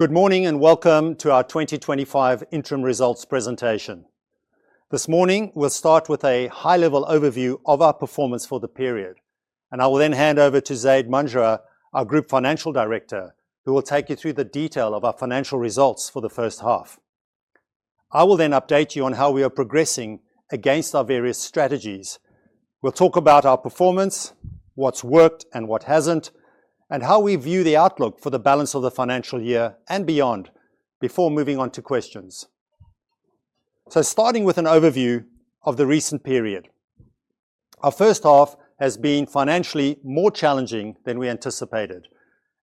Good morning and welcome to our 2025 Interim Results Presentation. This morning, we'll start with a high-level overview of our performance for the period, and I will then hand over to Zaid Manjra, our Group Finance Director, who will take you through the detail of our financial results for the first half. I will then update you on how we are progressing against our various strategies. We'll talk about our performance, what's worked and what hasn't, and how we view the outlook for the balance of the financial year and beyond before moving on to questions. So, starting with an overview of the recent period, our first half has been financially more challenging than we anticipated,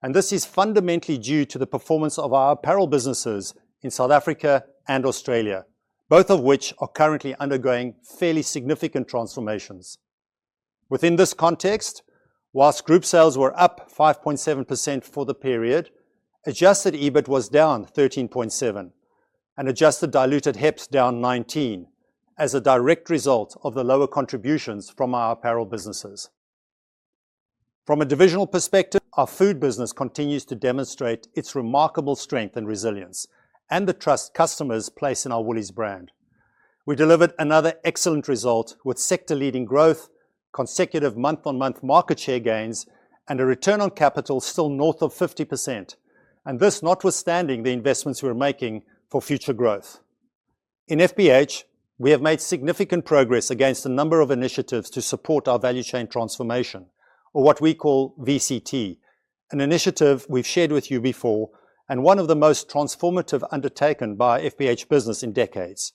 and this is fundamentally due to the performance of our apparel businesses in South Africa and Australia, both of which are currently undergoing fairly significant transformations. Within this context, whilst group sales were up 5.7% for the period, adjusted EBIT was down 13.7%, and adjusted diluted HEPS down 19% as a direct result of the lower contributions from our apparel businesses. From a divisional perspective, our Food business continues to demonstrate its remarkable strength and resilience, and the trust customers place in our Woolies brand. We delivered another excellent result with sector-leading growth, consecutive month-on-month market share gains, and a return on capital still north of 50%, and this notwithstanding the investments we're making for future growth. In FBH, we have made significant progress against a number of initiatives to support our Value Chain Transformation, or what we call VCT, an initiative we've shared with you before and one of the most transformative undertaken by FBH business in decades.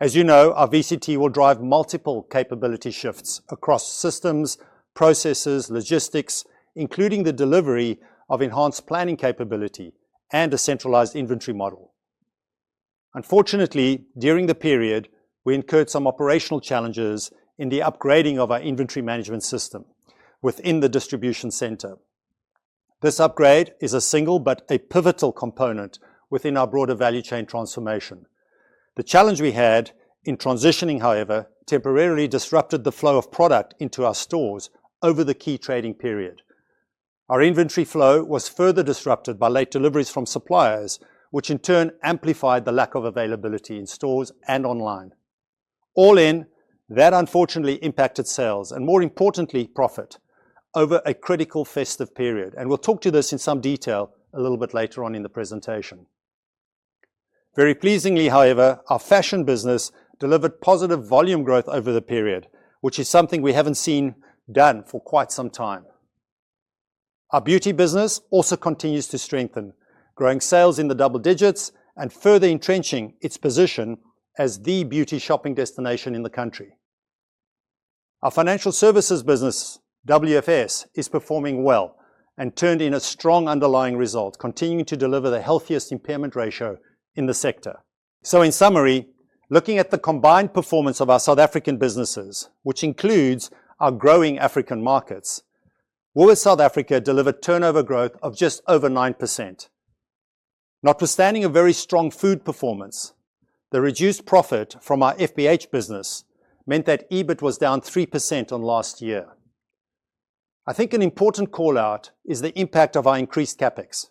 Our VCT will drive multiple capability shifts across systems, processes, logistics, including the delivery of enhanced planning capability and a centralized inventory model. Unfortunately, during the period, we incurred some operational challenges in the upgrading of our inventory management system within the distribution center. This upgrade is a single but a pivotal component within our broader Value Chain Transformation. The challenge we had in transitioning, however, temporarily disrupted the flow of product into our stores over the key trading period. Our inventory flow was further disrupted by late deliveries from suppliers, which in turn amplified the lack of availability in stores and online. All in, that unfortunately impacted sales and, more importantly, profit over a critical festive period, and we'll talk to this in some detail a little bit later on in the presentation. Very pleasingly, however, our fashion business delivered positive volume growth over the period, which is something we haven't seen done for quite some time. Our beauty business also continues to strengthen, growing sales in the double digits and further entrenching its position as the beauty shopping destination in the country. Our financial services business, WFS, is performing well and turned in a strong underlying result, continuing to deliver the healthiest impairment ratio in the sector. So, in summary, looking at the combined performance of our South African businesses, which includes our growing African markets, Woolworths South Africa delivered turnover growth of just over 9%. Notwithstanding a very strong Food performance, the reduced profit from our FBH business meant that EBIT was down 3% on last year. I think an important callout is the impact of our increased CapEx.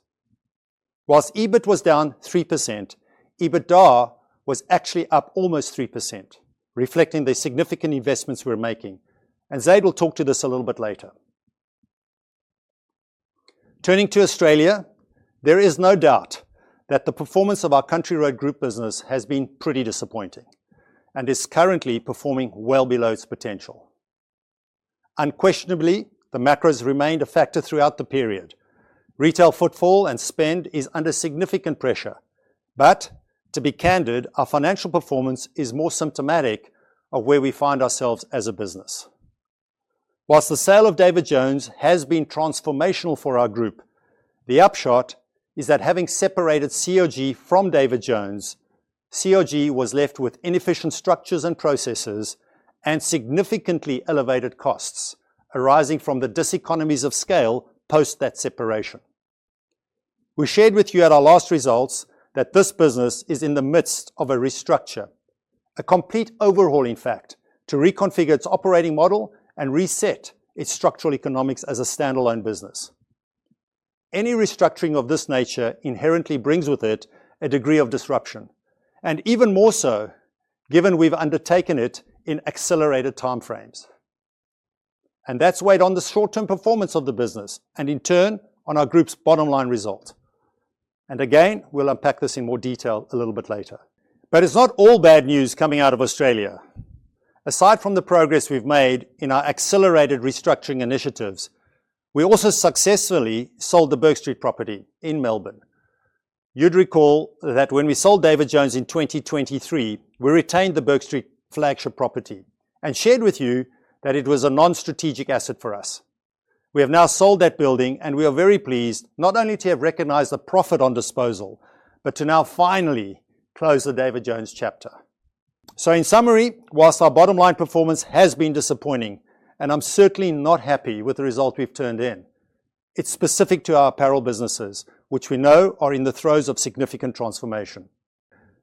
While EBIT was down 3%, EBITDA was actually up almost 3%, reflecting the significant investments we're making, and Zaid will talk to this a little bit later. Turning to Australia, there is no doubt that the performance of our Country Road Group business has been pretty disappointing and is currently performing well below its potential. Unquestionably, the macros remained a factor throughout the period. Retail footfall and spend are under significant pressure, but to be candid, our financial performance is more symptomatic of where we find ourselves as a business. While the sale of David Jones has been transformational for our group, the upshot is that having separated CRG from David Jones, CRG was left with inefficient structures and processes and significantly elevated costs arising from the diseconomies of scale post that separation. We shared with you at our last results that this business is in the midst of a restructure, a complete overhaul, in fact, to reconfigure its operating model and reset its structural economics as a standalone business. Any restructuring of this nature inherently brings with it a degree of disruption, and even more so given we've undertaken it in accelerated time frames, and that's weighed on the short-term performance of the business and, in turn, on our group's bottom line result, and again, we'll unpack this in more detail a little bit later, but it's not all bad news coming out of Australia. Aside from the progress we've made in our accelerated restructuring initiatives, we also successfully sold the Bourke Street property in Melbourne. You'd recall that when we sold David Jones in 2023, we retained the Bourke Street flagship property and shared with you that it was a non-strategic asset for us. We have now sold that building, and we are very pleased not only to have recognized the profit on disposal, but to now finally close the David Jones chapter, so in summary, while our bottom line performance has been disappointing, and I'm certainly not happy with the result we've turned in, it's specific to our apparel businesses, which we know are in the throes of significant transformation.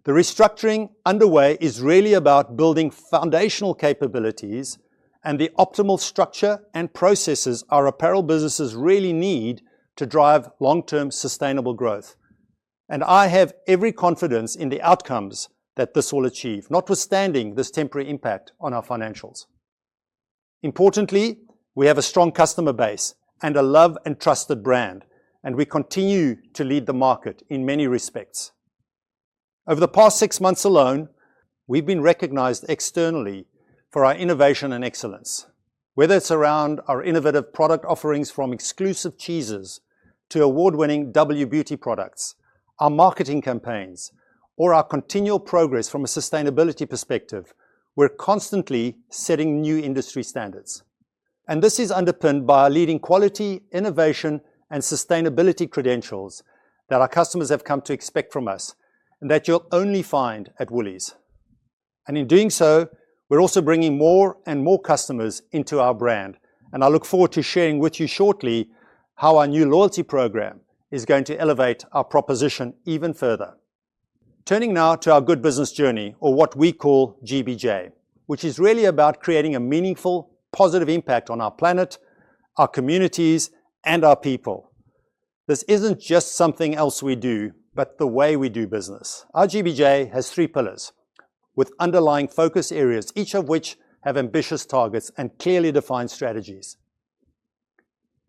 The restructuring underway is really about building foundational capabilities, and the optimal structure and processes our apparel businesses really need to drive long-term sustainable growth, and I have every confidence in the outcomes that this will achieve, notwithstanding this temporary impact on our financials. Importantly, we have a strong customer base and a loved and trusted brand, and we continue to lead the market in many respects. Over the past six months alone, we've been recognized externally for our innovation and excellence. Whether it's around our innovative product offerings from exclusive cheeses to award-winning WBeauty products, our marketing campaigns, or our continual progress from a sustainability perspective, we're constantly setting new industry standards, and this is underpinned by our leading quality, innovation, and sustainability credentials that our customers have come to expect from us and that you'll only find at Woolies, and in doing so, we're also bringing more and more customers into our brand, and I look forward to sharing with you shortly how our new loyalty program is going to elevate our proposition even further. Turning now to our Good Business Journey, or what we call GBJ, which is really about creating a meaningful, positive impact on our planet, our communities, and our people. This isn't just something else we do, but the way we do business. Our GBJ has three pillars with underlying focus areas, each of which has ambitious targets and clearly defined strategies.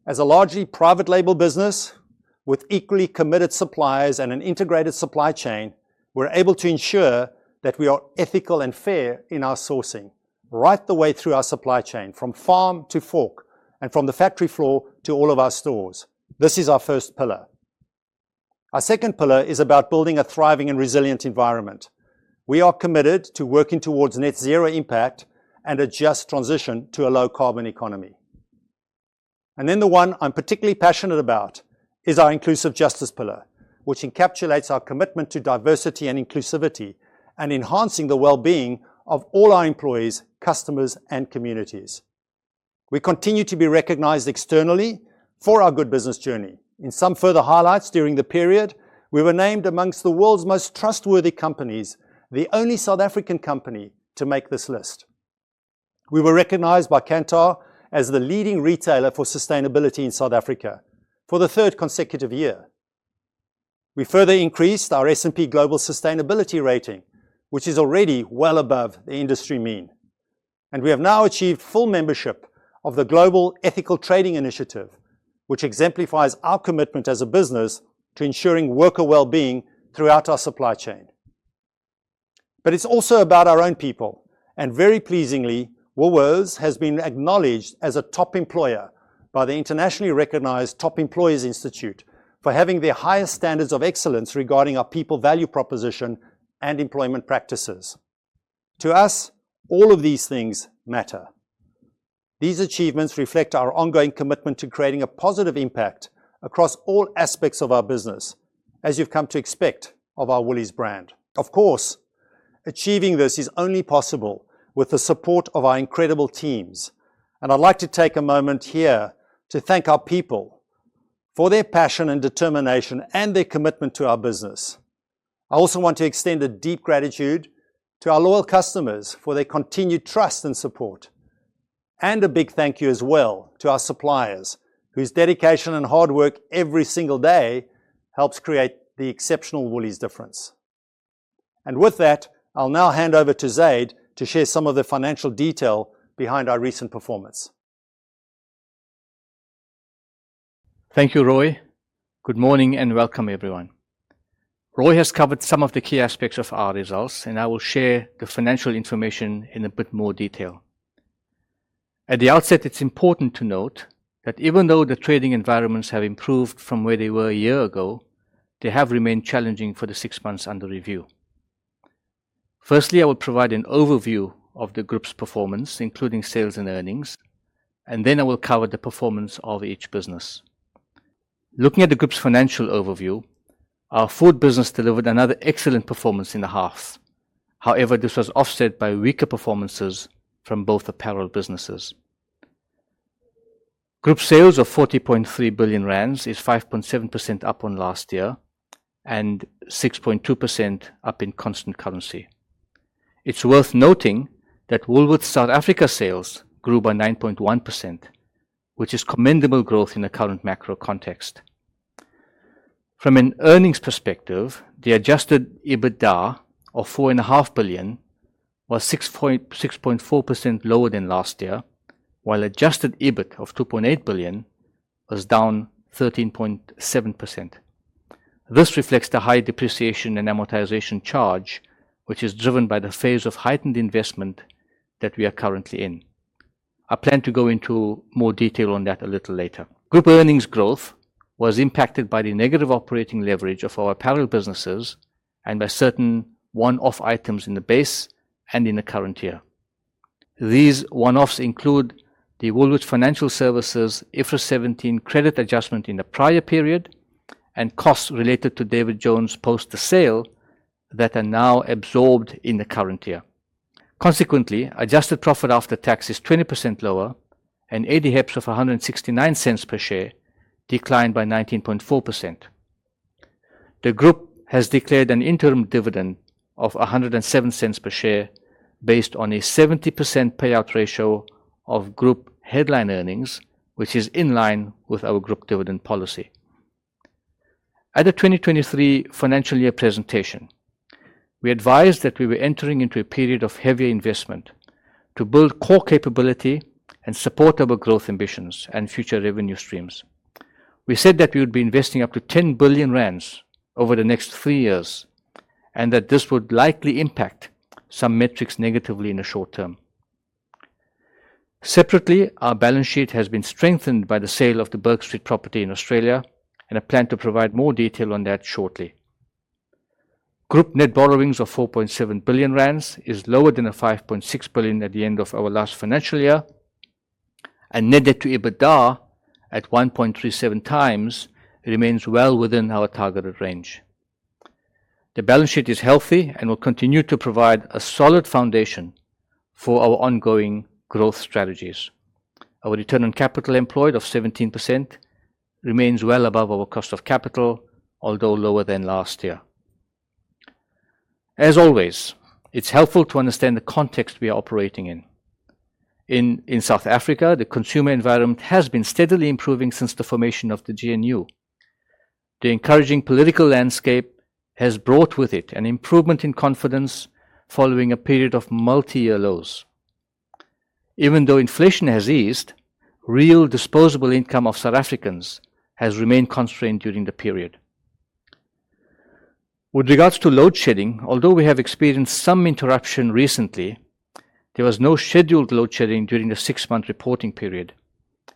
As a largely private label business with equally committed suppliers and an integrated supply chain, we're able to ensure that we are ethical and fair in our sourcing right the way through our supply chain, from farm to fork and from the factory floor to all of our stores. This is our first pillar. Our second pillar is about building a thriving and resilient environment. We are committed to working towards net zero impact and a just transition to a low carbon economy. And then the one I'm particularly passionate about is our inclusive justice pillar, which encapsulates our commitment to diversity and inclusivity and enhancing the well-being of all our employees, customers, and communities. We continue to be recognized externally for our Good Business Journey. In some further highlights during the period, we were named amongst the World's Most Trustworthy Companies, the only South African company to make this list. We were recognized by Kantar as the leading retailer for sustainability in South Africa for the third consecutive year. We further increased our S&P Global Sustainability rating, which is already well above the industry mean. And we have now achieved full membership of the Ethical Trading Initiative, which exemplifies our commitment as a business to ensuring worker well-being throughout our supply chain. But it's also about our own people, and very pleasingly, Woolworths has been acknowledged as a Top Employer by the internationally recognized Top Employers Institute for having the highest standards of excellence regarding our people value proposition and employment practices. To us, all of these things matter. These achievements reflect our ongoing commitment to creating a positive impact across all aspects of our business, as you've come to expect of our Woolies brand. Of course, achieving this is only possible with the support of our incredible teams, and I'd like to take a moment here to thank our people for their passion and determination and their commitment to our business. I also want to extend a deep gratitude to our loyal customers for their continued trust and support, and a big thank you as well to our suppliers, whose dedication and hard work every single day helps create the exceptional Woolies difference. And with that, I'll now hand over to Zaid to share some of the financial detail behind our recent performance. Thank you, Roy. Good morning and welcome, everyone. Roy has covered some of the key aspects of our results, and I will share the financial information in a bit more detail. At the outset, it's important to note that even though the trading environments have improved from where they were a year ago, they have remained challenging for the six months under review. Firstly, I will provide an overview of the group's performance, including sales and earnings, and then I will cover the performance of each business. Looking at the group's financial overview, our Food business delivered another excellent performance in the half. However, this was offset by weaker performances from both apparel businesses. Group sales of 40.3 billion rand is 5.7% up on last year and 6.2% up in constant currency. It's worth noting that Woolworths South Africa sales grew by 9.1%, which is commendable growth in the current macro context. From an earnings perspective, the adjusted EBITDA of 4.5 billion was 6.4% lower than last year, while adjusted EBIT of 2.8 billion was down 13.7%. This reflects the high depreciation and amortization charge, which is driven by the phase of heightened investment that we are currently in. I plan to go into more detail on that a little later. Group earnings growth was impacted by the negative operating leverage of our apparel businesses and by certain one-off items in the base and in the current year. These one-offs include the Woolworths Financial Services IFRS 17 credit adjustment in the prior period and costs related to David Jones post the sale that are now absorbed in the current year. Consequently, adjusted profit after tax is 20% lower, and adjusted HEPS of 169 cents per share declined by 19.4%. The group has declared an interim dividend of 107 cents per share based on a 70% payout ratio of group headline earnings, which is in line with our group dividend policy. At the 2023 financial year presentation, we advised that we were entering into a period of heavier investment to build core capability and support our growth ambitions and future revenue streams. We said that we would be investing up to 10 billion rand over the next three years and that this would likely impact some metrics negatively in the short term. Separately, our balance sheet has been strengthened by the sale of the Bourke Street property in Australia and I plan to provide more detail on that shortly. Group net borrowings of 4.7 billion rand is lower than 5.6 billion at the end of our last financial year, and net debt to EBITDA at 1.37 times remains well within our targeted range. The balance sheet is healthy and will continue to provide a solid foundation for our ongoing growth strategies. Our return on capital employed of 17% remains well above our cost of capital, although lower than last year. As always, it's helpful to understand the context we are operating in. In South Africa, the consumer environment has been steadily improving since the formation of the GNU. The encouraging political landscape has brought with it an improvement in confidence following a period of multi-year lows. Even though inflation has eased, real disposable income of South Africans has remained constrained during the period. With regards to load shedding, although we have experienced some interruption recently, there was no scheduled load shedding during the six-month reporting period,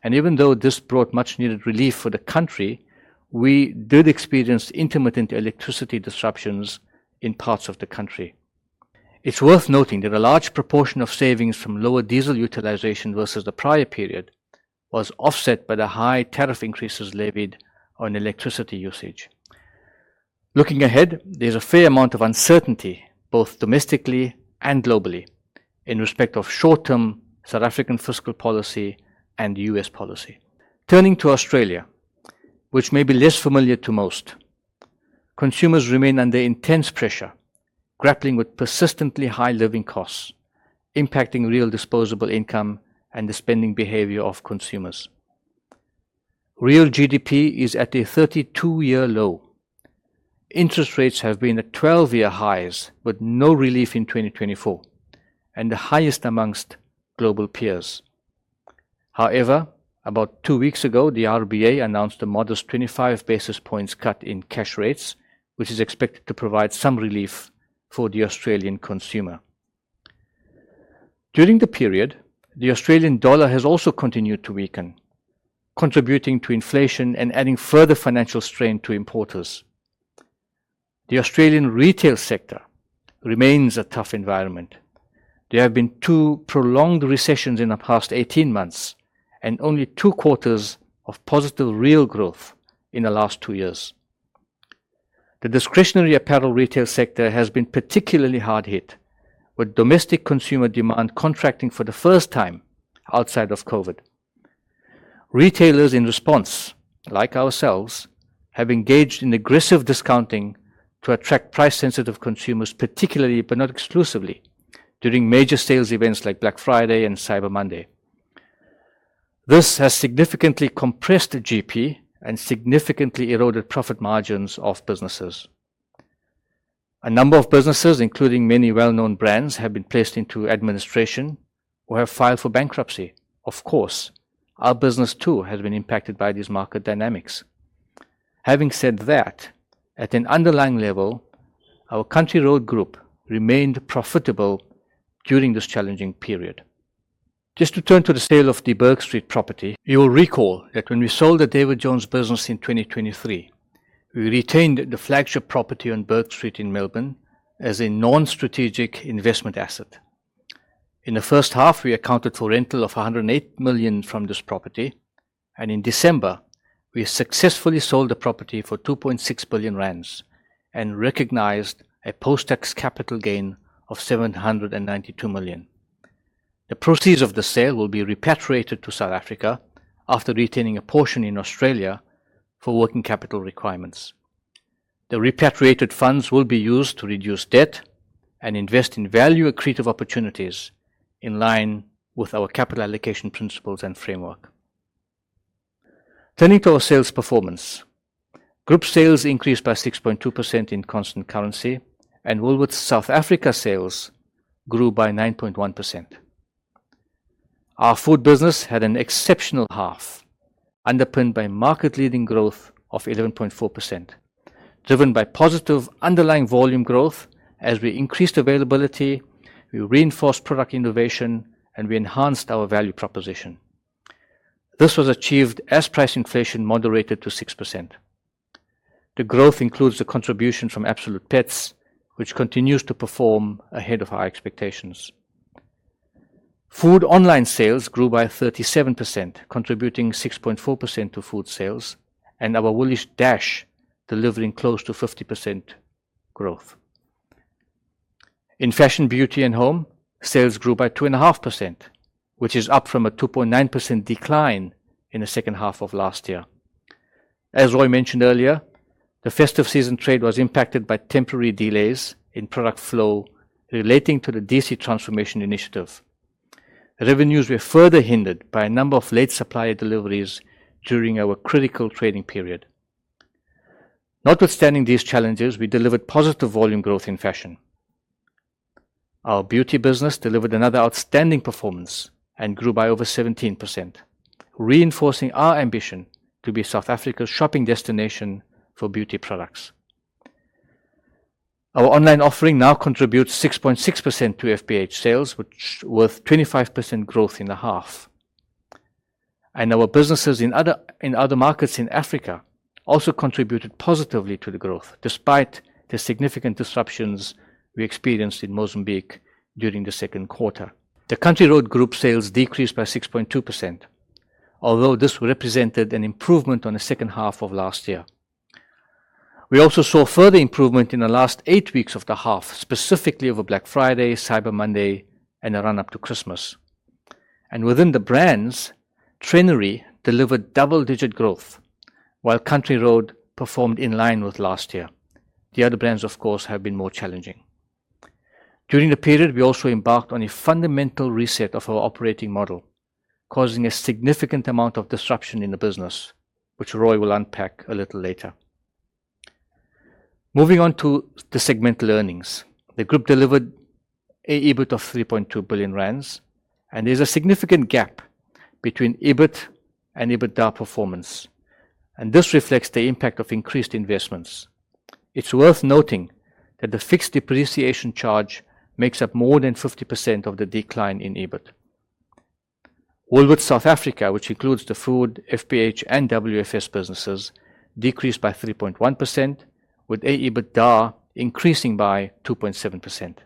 and even though this brought much-needed relief for the country, we did experience intermittent electricity disruptions in parts of the country. It's worth noting that a large proportion of savings from lower diesel utilization versus the prior period was offset by the high tariff increases levied on electricity usage. Looking ahead, there's a fair amount of uncertainty both domestically and globally in respect of short-term South African fiscal policy and U.S. policy. Turning to Australia, which may be less familiar to most, consumers remain under intense pressure, grappling with persistently high living costs, impacting real disposable income and the spending behavior of consumers. Real GDP is at a 32-year low. Interest rates have been at 12-year highs with no relief in 2024 and the highest among global peers. However, about two weeks ago, the RBA announced a modest 25 basis points cut in cash rates, which is expected to provide some relief for the Australian consumer. During the period, the Australian dollar has also continued to weaken, contributing to inflation and adding further financial strain to importers. The Australian retail sector remains a tough environment. There have been two prolonged recessions in the past 18 months and only two quarters of positive real growth in the last two years. The discretionary apparel retail sector has been particularly hard-hit, with domestic consumer demand contracting for the first time outside of COVID. Retailers in response, like ourselves, have engaged in aggressive discounting to attract price-sensitive consumers, particularly but not exclusively during major sales events like Black Friday and Cyber Monday. This has significantly compressed GP and significantly eroded profit margins of businesses. A number of businesses, including many well-known brands, have been placed into administration or have filed for bankruptcy. Of course, our business too has been impacted by these market dynamics. Having said that, at an underlying level, our Country Road Group remained profitable during this challenging period. Just to turn to the sale of the Bourke Street property, you will recall that when we sold the David Jones business in 2023, we retained the flagship property on Bourke Street in Melbourne as a non-strategic investment asset. In the first half, we accounted for rental of 108 million from this property, and in December, we successfully sold the property for 2.6 billion rand and recognized a post-tax capital gain of 792 million. The proceeds of the sale will be repatriated to South Africa after retaining a portion in Australia for working capital requirements. The repatriated funds will be used to reduce debt and invest in value-accretive opportunities in line with our capital allocation principles and framework. Turning to our sales performance, group sales increased by 6.2% in constant currency, and Woolworths South Africa sales grew by 9.1%. Our Food Business had an exceptional half, underpinned by market-leading growth of 11.4%, driven by positive underlying volume growth as we increased availability, we reinforced product innovation, and we enhanced our value proposition. This was achieved as price inflation moderated to 6%. The growth includes the contribution from Absolute Pets, which continues to perform ahead of our expectations. Food online sales grew by 37%, contributing 6.4% to Food sales, and our Woolies Dash delivering close to 50% growth. In Fashion, Beauty, and Home, sales grew by 2.5%, which is up from a 2.9% decline in the second half of last year. As Roy mentioned earlier, the festive season trade was impacted by temporary delays in product flow relating to the DC transformation initiative. Revenues were further hindered by a number of late supplier deliveries during our critical trading period. Notwithstanding these challenges, we delivered positive volume growth in fashion. Our beauty business delivered another outstanding performance and grew by over 17%, reinforcing our ambition to be South Africa's shopping destination for beauty products. Our online offering now contributes 6.6% to FBH sales, which is worth 25% growth in the half. And our businesses in other markets in Africa also contributed positively to the growth, despite the significant disruptions we experienced in Mozambique during the second quarter. The Country Road Group sales decreased by 6.2%, although this represented an improvement on the second half of last year. We also saw further improvement in the last eight weeks of the half, specifically over Black Friday, Cyber Monday, and the run-up to Christmas. Within the brands, Trenery delivered double-digit growth, while Country Road performed in line with last year. The other brands, of course, have been more challenging. During the period, we also embarked on a fundamental reset of our operating model, causing a significant amount of disruption in the business, which Roy will unpack a little later. Moving on to the segmental earnings, the group delivered an EBIT of 3.2 billion rand, and there's a significant gap between EBIT and EBITDA performance, and this reflects the impact of increased investments. It's worth noting that the fixed depreciation charge makes up more than 50% of the decline in EBIT. Woolworths South Africa, which includes the Food business, FBH, and WFS businesses, decreased by 3.1%, with EBITDA increasing by 2.7%.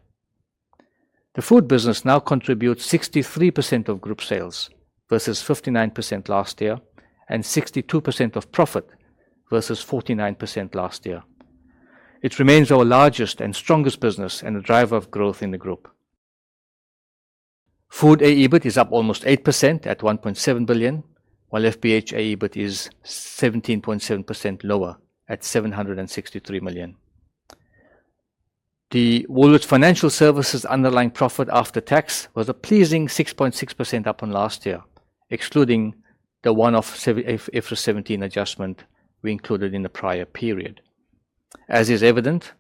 The Food Business now contributes 63% of group sales versus 59% last year and 62% of profit versus 49% last year. It remains our largest and strongest business and a driver of growth in the group. Food EBIT is up almost 8% at 1.7 billion, while FBH EBIT is 17.7% lower at 763 million. The Woolworths Financial Services underlying profit after tax was a pleasing 6.6% up on last year, excluding the one-off IFRS 17 adjustment we included in the prior period. As is evident,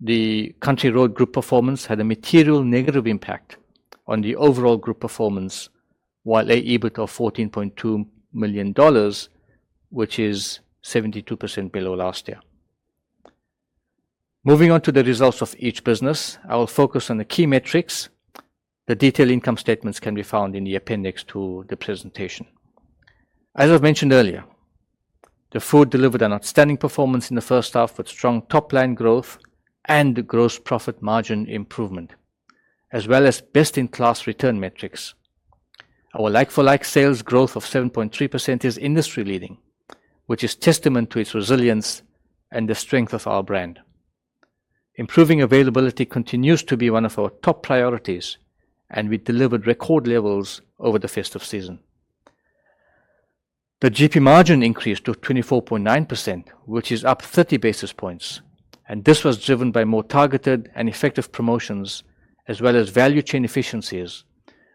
the Country Road Group performance had a material negative impact on the overall group performance, while EBIT of 14.2 million dollars, which is 72% below last year. Moving on to the results of each business, I will focus on the key metrics. The detailed income statements can be found in the appendix to the presentation. As I've mentioned earlier, the Food delivered an outstanding performance in the first half with strong top-line growth and gross profit margin improvement, as well as best-in-class return metrics. Our like-for-like sales growth of 7.3% is industry-leading, which is testament to its resilience and the strength of our brand. Improving availability continues to be one of our top priorities, and we delivered record levels over the festive season. The GP margin increased to 24.9%, which is up 30 basis points, and this was driven by more targeted and effective promotions, as well as value chain efficiencies,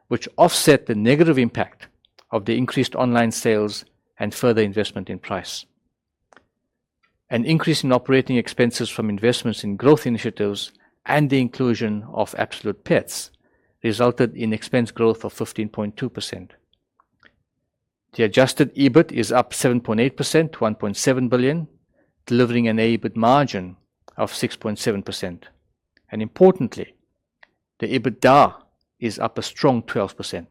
which offset the negative impact of the increased online sales and further investment in price. An increase in operating expenses from investments in growth initiatives and the inclusion of Absolute Pets resulted in expense growth of 15.2%. The adjusted EBIT is up 7.8% to 1.7 billion, delivering an adjusted EBIT margin of 6.7%. And importantly, the EBITDA is up a strong 12%.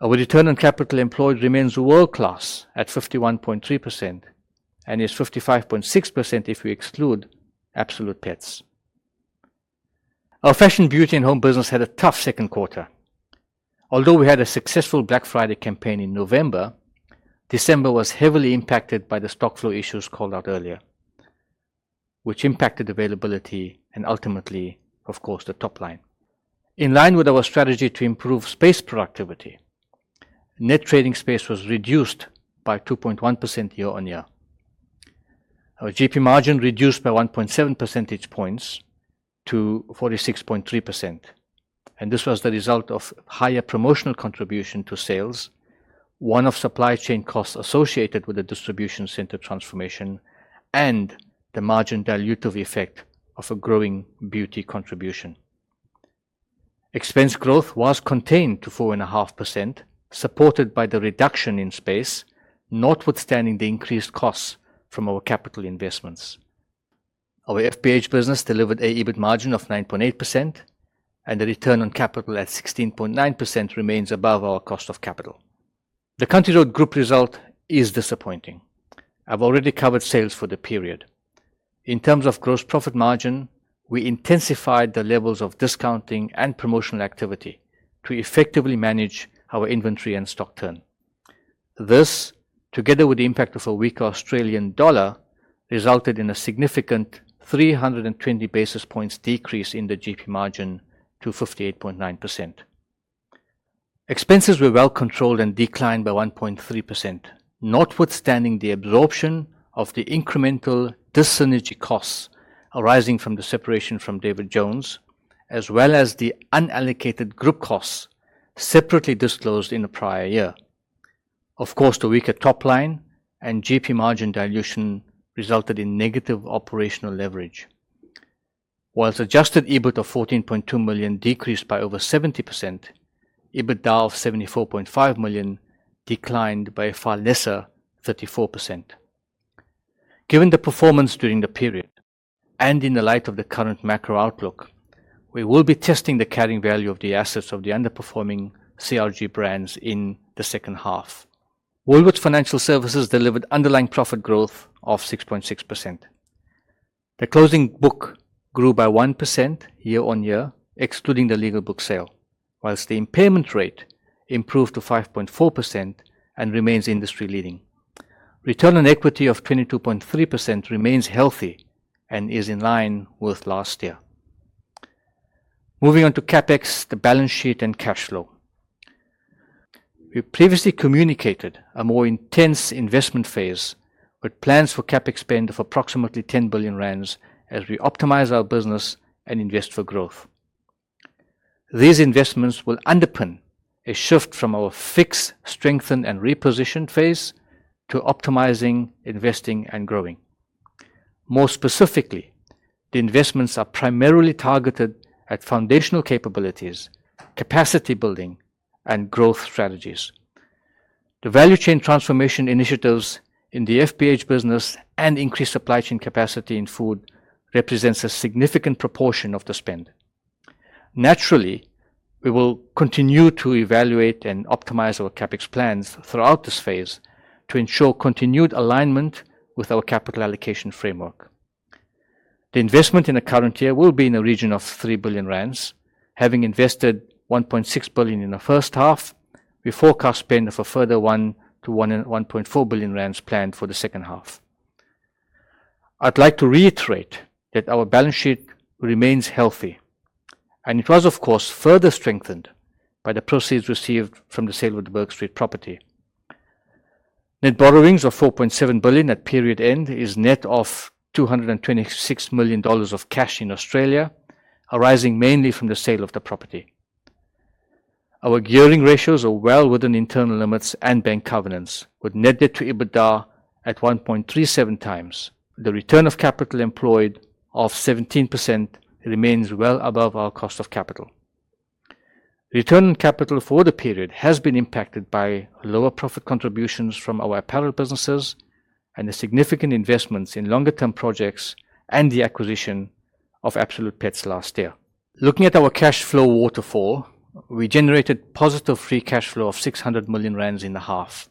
Our return on capital employed remains world-class at 51.3% and is 55.6% if we exclude Absolute Pets. Our Fashion, Beauty, and Home business had a tough second quarter. Although we had a successful Black Friday campaign in November, December was heavily impacted by the stock flow issues called out earlier, which impacted availability and ultimately, of course, the top line. In line with our strategy to improve space productivity, net trading space was reduced by 2.1% year-on-year. Our GP margin reduced by 1.7 percentage points to 46.3%, and this was the result of higher promotional contribution to sales, one-off supply chain costs associated with the distribution center transformation, and the margin dilutive effect of a growing beauty contribution. Expense growth was contained to 4.5%, supported by the reduction in space, notwithstanding the increased costs from our capital investments. Our FBH business delivered an EBIT margin of 9.8%, and the return on capital at 16.9% remains above our cost of capital. The Country Road Group result is disappointing. I've already covered sales for the period. In terms of gross profit margin, we intensified the levels of discounting and promotional activity to effectively manage our inventory and stock turn. This, together with the impact of a weaker Australian dollar, resulted in a significant 320 basis points decrease in the GP margin to 58.9%. Expenses were well controlled and declined by 1.3%, notwithstanding the absorption of the incremental dissynergy costs arising from the separation from David Jones, as well as the unallocated group costs separately disclosed in the prior year. Of course, the weaker top line and GP margin dilution resulted in negative operational leverage. Whilst adjusted EBIT of 14.2 million decreased by over 70%, EBITDA of 74.5 million declined by a far lesser 34%. Given the performance during the period and in the light of the current macro outlook, we will be testing the carrying value of the assets of the underperforming CRG brands in the second half. Woolworths Financial Services delivered underlying profit growth of 6.6%. The closing book grew by 1% year-on-year, excluding the legacy book sale, whilst the impairment rate improved to 5.4% and remains industry-leading. Return on equity of 22.3% remains healthy and is in line with last year. Moving on to CapEx, the balance sheet and cash flow. We previously communicated a more intense investment phase with plans for CapEx spend of approximately 10 billion rand as we optimize our business and invest for growth. These investments will underpin a shift from our fixed, strengthened, and repositioned phase to optimizing, investing, and growing. More specifically, the investments are primarily targeted at foundational capabilities, capacity building, and growth strategies. The Value Chain Transformation initiatives in the FBH business and increased supply chain capacity in Food represent a significant proportion of the spend. Naturally, we will continue to evaluate and optimize our CapEx plans throughout this phase to ensure continued alignment with our capital allocation framework. The investment in the current year will be in the region of 3 billion rand. Having invested 1.6 billion in the first half, we forecast spend of a further 1-1.4 billion rand planned for the second half. I'd like to reiterate that our balance sheet remains healthy, and it was, of course, further strengthened by the proceeds received from the sale of the Bourke Street property. Net borrowings of 4.7 billion at period end is net of 226 million dollars of cash in Australia, arising mainly from the sale of the property. Our gearing ratios are well within internal limits and bank covenants, with net debt to EBITDA at 1.37 times. The return of capital employed of 17% remains well above our cost of capital. Return on capital for the period has been impacted by lower profit contributions from our apparel businesses and the significant investments in longer-term projects and the acquisition of Absolute Pets last year. Looking at our cash flow waterfall, we generated positive free cash flow of 600 million rand in the half.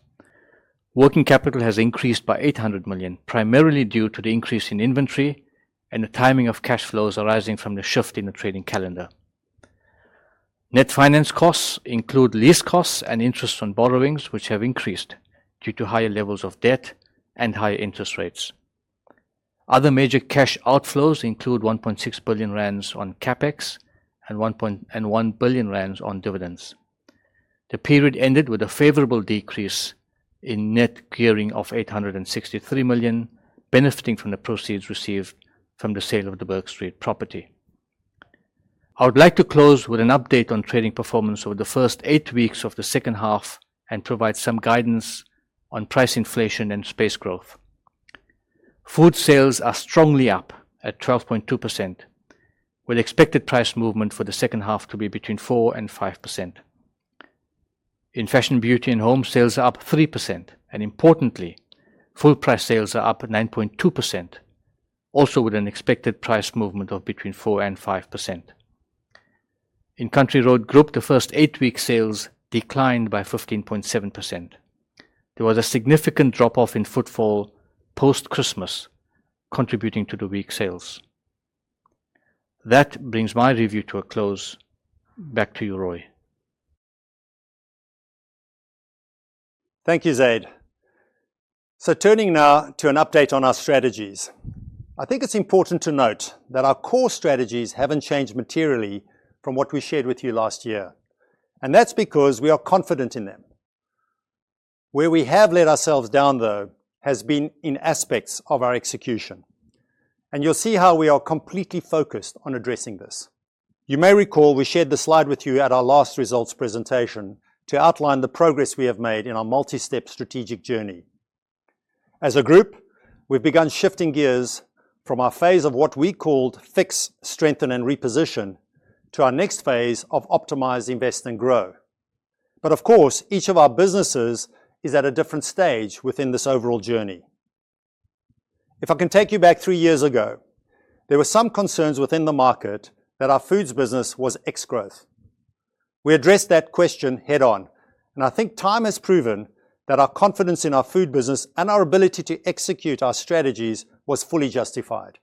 Working capital has increased by 800 million, primarily due to the increase in inventory and the timing of cash flows arising from the shift in the trading calendar. Net finance costs include lease costs and interest on borrowings, which have increased due to higher levels of debt and higher interest rates. Other major cash outflows include 1.6 billion rand on CapEx and 1.1 billion rand on dividends. The period ended with a favorable decrease in net gearing of 863 million, benefiting from the proceeds received from the sale of the Bourke Street property. I would like to close with an update on trading performance over the first eight weeks of the second half and provide some guidance on price inflation and space growth. Food sales are strongly up at 12.2%, with expected price movement for the second half to be between 4% and 5%. In Fashion, Beauty, and Home sales are up 3%, and importantly, full price sales are up 9.2%, also with an expected price movement of between 4% and 5%. In Country Road Group, the first eight weeks' sales declined by 15.7%. There was a significant drop-off in footfall post-Christmas, contributing to the weak sales. That brings my review to a close. Back to you, Roy. Thank you, Zaid. So turning now to an update on our strategies, I think it's important to note that our core strategies haven't changed materially from what we shared with you last year, and that's because we are confident in them. Where we have let ourselves down, though, has been in aspects of our execution, and you'll see how we are completely focused on addressing this. You may recall we shared the slide with you at our last results presentation to outline the progress we have made in our multi-step strategic journey. As a group, we've begun shifting gears from our phase of what we called fix, strengthen, and reposition to our next phase of optimize, invest, and grow. But of course, each of our businesses is at a different stage within this overall journey. If I can take you back three years ago, there were some concerns within the market that our Food Business was ex-growth. We addressed that question head-on, and I think time has proven that our confidence in our Food Business and our ability to execute our strategies was fully justified.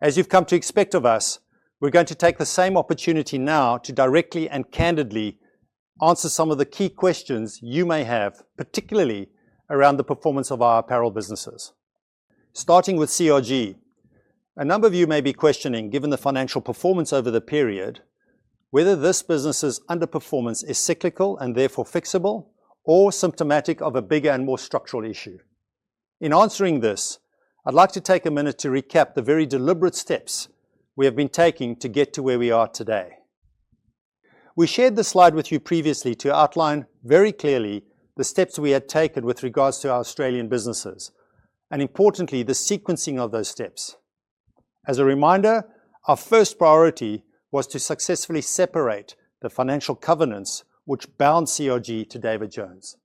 As you've come to expect of us, we're going to take the same opportunity now to directly and candidly answer some of the key questions you may have, particularly around the performance of our apparel businesses. Starting with CRG, a number of you may be questioning, given the financial performance over the period, whether this business's underperformance is cyclical and therefore fixable or symptomatic of a bigger and more structural issue. In answering this, I'd like to take a minute to recap the very deliberate steps we have been taking to get to where we are today. We shared the slide with you previously to outline very clearly the steps we had taken with regards to our Australian businesses and, importantly, the sequencing of those steps. As a reminder, our first priority was to successfully separate the financial covenants which bound CRG to David Jones.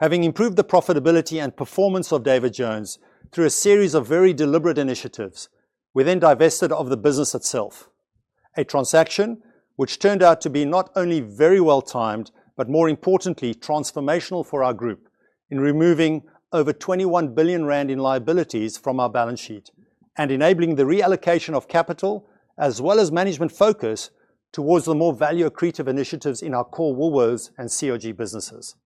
Having improved the profitability and performance of David Jones through a series of very deliberate initiatives, we then divested of the business itself, a transaction which turned out to be not only very well timed, but more importantly, transformational for our group in removing over 21 billion rand in liabilities from our balance sheet and enabling the reallocation of capital as well as management focus towards the more value-accretive initiatives in our core Woolworths and CRG businesses.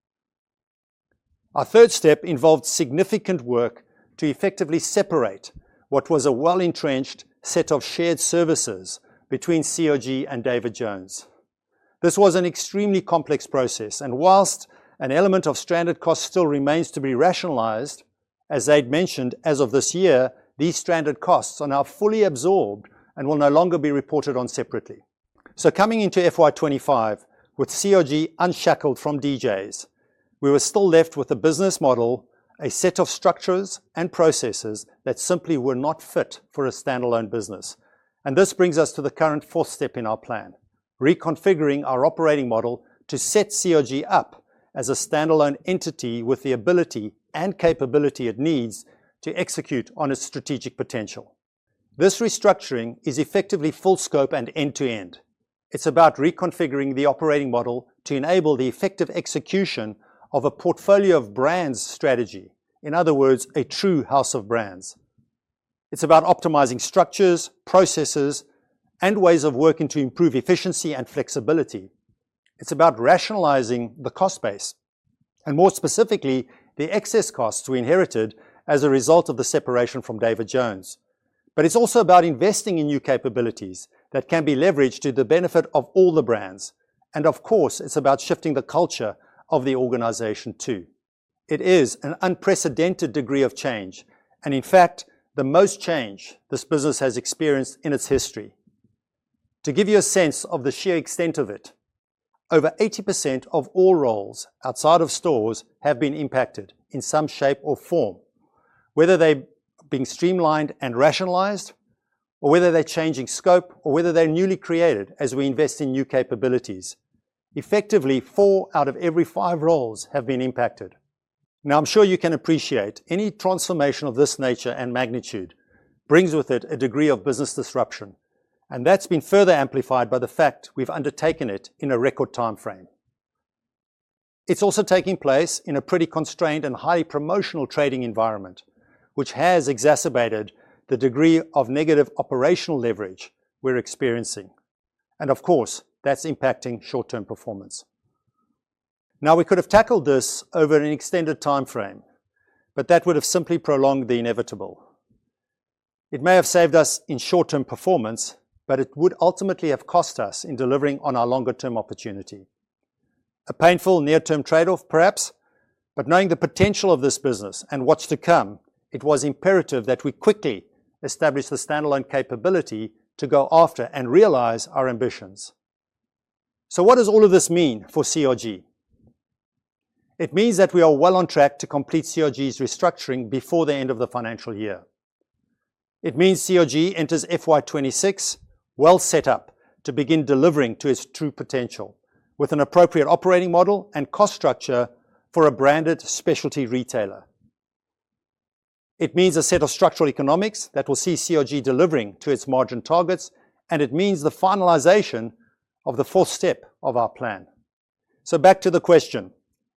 Our third step involved significant work to effectively separate what was a well-entrenched set of shared services between CRG and David Jones. This was an extremely complex process, and while an element of standard cost still remains to be rationalized, as Zaid mentioned, as of this year, these standard costs are now fully absorbed and will no longer be reported on separately. Coming into FY25 with CRG unshackled from DJs, we were still left with a business model, a set of structures and processes that simply were not fit for a standalone business. And this brings us to the current fourth step in our plan, reconfiguring our operating model to set CRG up as a standalone entity with the ability and capability it needs to execute on its strategic potential. This restructuring is effectively full scope and end-to-end. It's about reconfiguring the operating model to enable the effective execution of a portfolio of brands strategy. In other words, a true house of brands. It's about optimizing structures, processes, and ways of working to improve efficiency and flexibility. It's about rationalizing the cost base, and more specifically, the excess costs we inherited as a result of the separation from David Jones. But it's also about investing in new capabilities that can be leveraged to the benefit of all the brands. And of course, it's about shifting the culture of the organization too. It is an unprecedented degree of change, and in fact, the most change this business has experienced in its history. To give you a sense of the sheer extent of it, over 80% of all roles outside of stores have been impacted in some shape or form, whether they're being streamlined and rationalized, or whether they're changing scope, or whether they're newly created as we invest in new capabilities. Effectively, four out of every five roles have been impacted. Now, I'm sure you can appreciate any transformation of this nature and magnitude brings with it a degree of business disruption, and that's been further amplified by the fact we've undertaken it in a record time frame. It's also taking place in a pretty constrained and highly promotional trading environment, which has exacerbated the degree of negative operational leverage we're experiencing. And of course, that's impacting short-term performance. Now, we could have tackled this over an extended time frame, but that would have simply prolonged the inevitable. It may have saved us in short-term performance, but it would ultimately have cost us in delivering on our longer-term opportunity. A painful near-term trade-off, perhaps, but knowing the potential of this business and what's to come, it was imperative that we quickly establish the standalone capability to go after and realize our ambitions. So what does all of this mean for CRG? It means that we are well on track to complete CRG's restructuring before the end of the financial year. It means CRG enters FY26 well set up to begin delivering to its true potential with an appropriate operating model and cost structure for a branded specialty retailer. It means a set of structural economics that will see CRG delivering to its margin targets, and it means the finalization of the fourth step of our plan. So back to the question,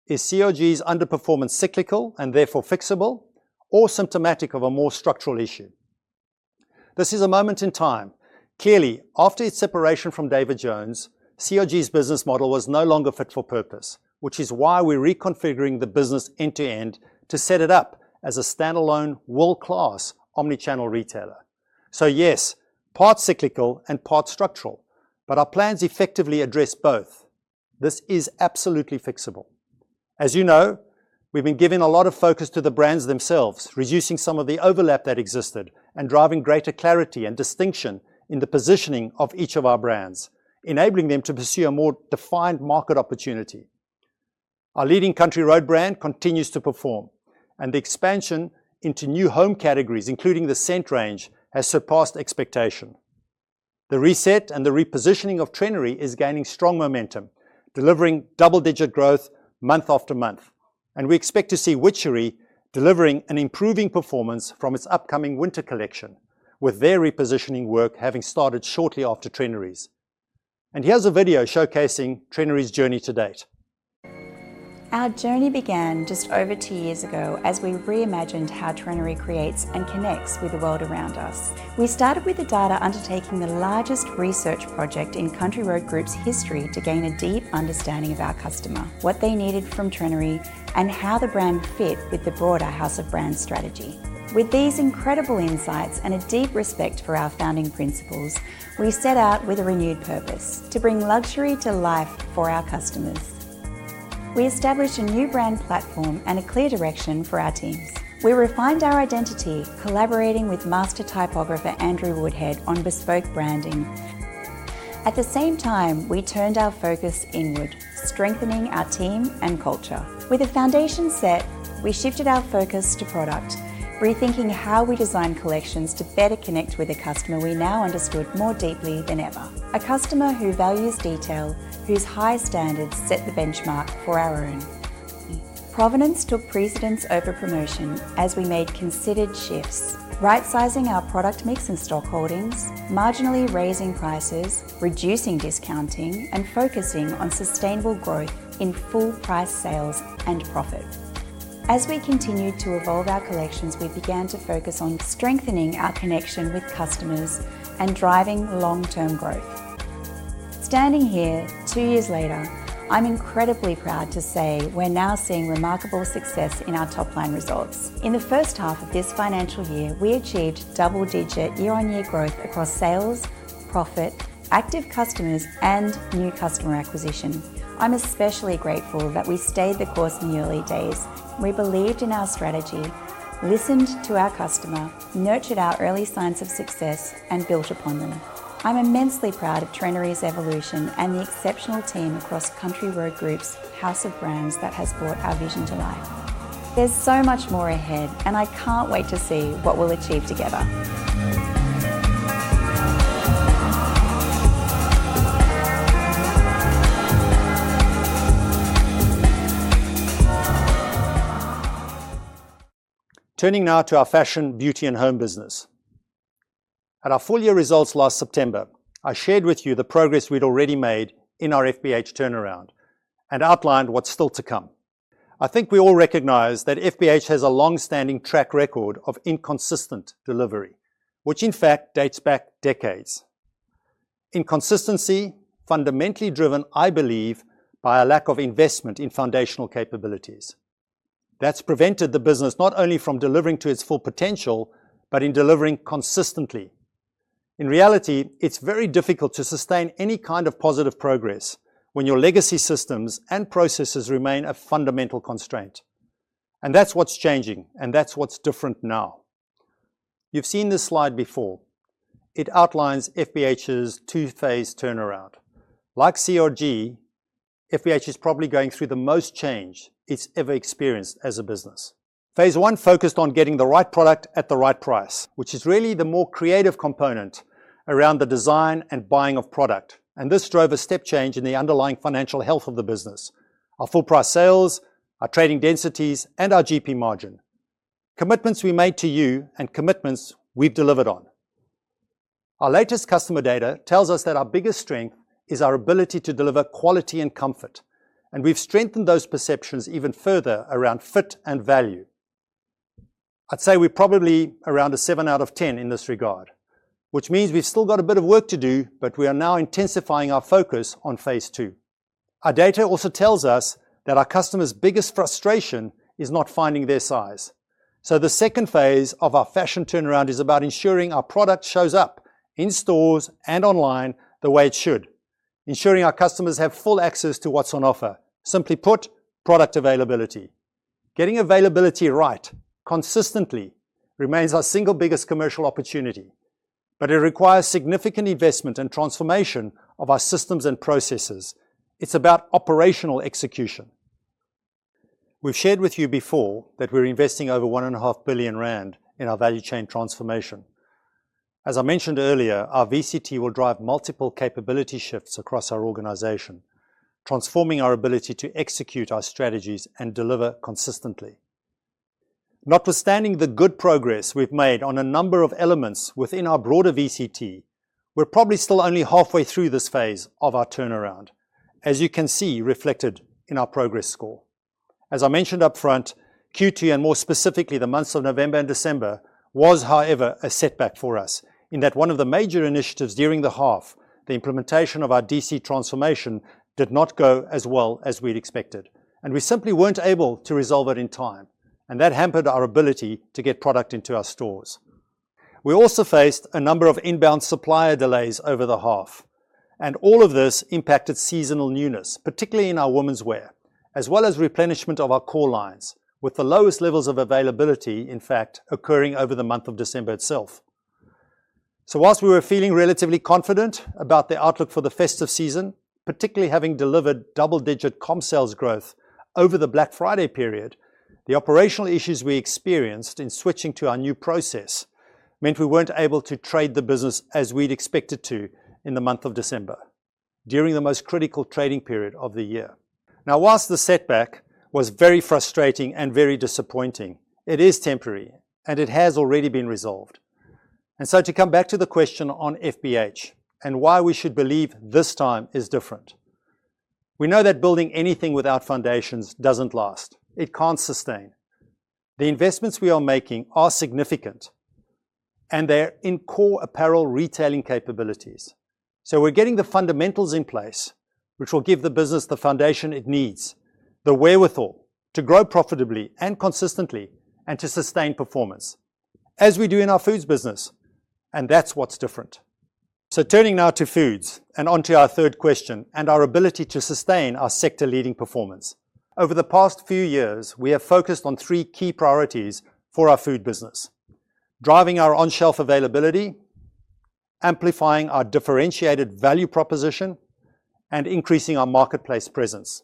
is CRG's underperformance cyclical and therefore fixable or symptomatic of a more structural issue? This is a moment in time. Clearly, after its separation from David Jones, CRG's business model was no longer fit for purpose, which is why we're reconfiguring the business end-to-end to set it up as a standalone world-class omnichannel retailer. So yes, part cyclical and part structural, but our plans effectively address both. This is absolutely fixable. We've been giving a lot of focus to the brands themselves, reducing some of the overlap that existed and driving greater clarity and distinction in the positioning of each of our brands, enabling them to pursue a more defined market opportunity. Our leading Country Road brand continues to perform, and the expansion into new home categories, including the scent range, has surpassed expectation. The reset and the repositioning of Trenery is gaining strong momentum, delivering double-digit growth month after month, and we expect to see Witchery delivering an improving performance from its upcoming winter collection, with their repositioning work having started shortly after Trenery's. And here's a video showcasing Trenery's journey to date. Our journey began just over two years ago as we reimagined how Trenery creates and connects with the world around us. We started with the data undertaking the largest research project in Country Road Group's history to gain a deep understanding of our customer, what they needed from Trenery, and how the brand fit with the broader House of Brands strategy. With these incredible insights and a deep respect for our founding principles, we set out with a renewed purpose to bring luxury to life for our customers. We established a new brand platform and a clear direction for our teams. We refined our identity, collaborating with master typographer Andrew Woodhead on bespoke branding. At the same time, we turned our focus inward, strengthening our team and culture. With a foundation set, we shifted our focus to product, rethinking how we design collections to better connect with a customer we now understood more deeply than ever, a customer who values detail, whose high standards set the benchmark for our own. Provenance took precedence over promotion as we made considered shifts, right-sizing our product mix and stock holdings, marginally raising prices, reducing discounting, and focusing on sustainable growth in full price sales and profit. As we continued to evolve our collections, we began to focus on strengthening our connection with customers and driving long-term growth. Standing here two years later, I'm incredibly proud to say we're now seeing remarkable success in our top-line results. In the first half of this financial year, we achieved double-digit year-on-year growth across sales, profit, active customers, and new customer acquisition. I'm especially grateful that we stayed the course in the early days. We believed in our strategy, listened to our customer, nurtured our early signs of success, and built upon them. I'm immensely proud of Trenery's evolution and the exceptional team across Country Road Group, House of Brands that has brought our vision to life. There's so much more ahead, and I can't wait to see what we'll achieve together. Turning now to our Fashion, Beauty, and Home business. At our full year results last September, I shared with you the progress we'd already made in our FBH turnaround and outlined what's still to come. I think we all recognize that FBH has a long-standing track record of inconsistent delivery, which in fact dates back decades. Inconsistency fundamentally driven, I believe, by a lack of investment in foundational capabilities. That's prevented the business not only from delivering to its full potential, but in delivering consistently. In reality, it's very difficult to sustain any kind of positive progress when your legacy systems and processes remain a fundamental constraint. And that's what's changing, and that's what's different now. You've seen this slide before. It outlines FBH's two-phase turnaround. Like CRG, FBH is probably going through the most change it's ever experienced as a business. Phase one focused on getting the right product at the right price, which is really the more creative component around the design and buying of product. This drove a step change in the underlying financial health of the business, our full-price sales, our trading densities, and our GP margin. Commitments we made to you and commitments we've delivered on. Our latest customer data tells us that our biggest strength is our ability to deliver quality and comfort, and we've strengthened those perceptions even further around fit and value. I'd say we're probably around a seven out of ten in this regard, which means we've still got a bit of work to do, but we are now intensifying our focus on phase two. Our data also tells us that our customer's biggest frustration is not finding their size. So the second phase of our fashion turnaround is about ensuring our product shows up in stores and online the way it should, ensuring our customers have full access to what's on offer. Simply put, product availability. Getting availability right, consistently, remains our single biggest commercial opportunity, but it requires significant investment and transformation of our systems and processes. It's about operational execution. We've shared with you before that we're investing over 1.5 billion rand in our Value Chain Transformation. As I mentioned earlier, our VCT will drive multiple capability shifts across our organization, transforming our ability to execute our strategies and deliver consistently. Notwithstanding the good progress we've made on a number of elements within our broader VCT, we're probably still only halfway through this phase of our turnaround, as you can see reflected in our progress score. As I mentioned upfront, Q2, and more specifically the months of November and December, was, however, a setback for us in that one of the major initiatives during the half, the implementation of our DC transformation, did not go as well as we'd expected, and we simply weren't able to resolve it in time, and that hampered our ability to get product into our stores. We also faced a number of inbound supplier delays over the half, and all of this impacted seasonal newness, particularly in our womenswear, as well as replenishment of our core lines, with the lowest levels of availability, in fact, occurring over the month of December itself. So while we were feeling relatively confident about the outlook for the festive season, particularly having delivered double-digit comp sales growth over the Black Friday period, the operational issues we experienced in switching to our new process meant we weren't able to trade the business as we'd expected to in the month of December, during the most critical trading period of the year. Now, while the setback was very frustrating and very disappointing, it is temporary, and it has already been resolved, and so to come back to the question on FBH and why we should believe this time is different. We know that building anything without foundations doesn't last. It can't sustain. The investments we are making are significant, and they're in core apparel retailing capabilities. We're getting the fundamentals in place, which will give the business the foundation it needs, the wherewithal to grow profitably and consistently and to sustain performance, as we do in our Food Business, and that's what's different. Turning now to Food and onto our third question and our ability to sustain our sector-leading performance. Over the past few years, we have focused on three key priorities for our Food Business: driving our on-shelf availability, amplifying our differentiated value proposition, and increasing our marketplace presence.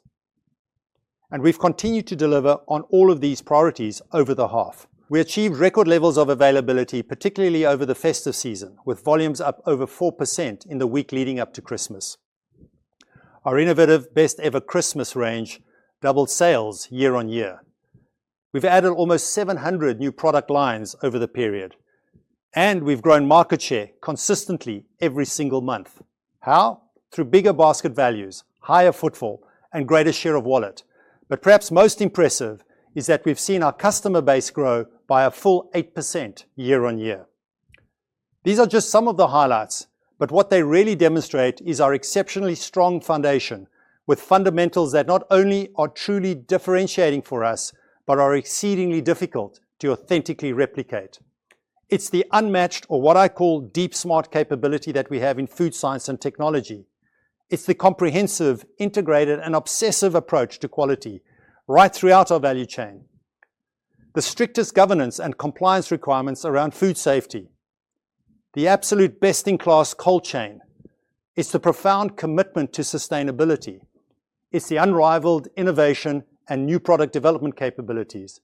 We've continued to deliver on all of these priorities over the half. We achieved record levels of availability, particularly over the festive season, with volumes up over 4% in the week leading up to Christmas. Our innovative best-ever Christmas range doubled sales year on year. We've added almost 700 new product lines over the period, and we've grown market share consistently every single month. How? Through bigger basket values, higher footfall, and greater share of wallet. But perhaps most impressive is that we've seen our customer base grow by a full 8% year on year. These are just some of the highlights, but what they really demonstrate is our exceptionally strong foundation with fundamentals that not only are truly differentiating for us, but are exceedingly difficult to authentically replicate. It's the unmatched or what I call deep smart capability that we have in food science and technology. It's the comprehensive, integrated, and obsessive approach to quality right throughout our value chain. The strictest governance and compliance requirements around food safety, the absolute best-in-class cold chain, it's the profound commitment to sustainability, it's the unrivaled innovation and new product development capabilities,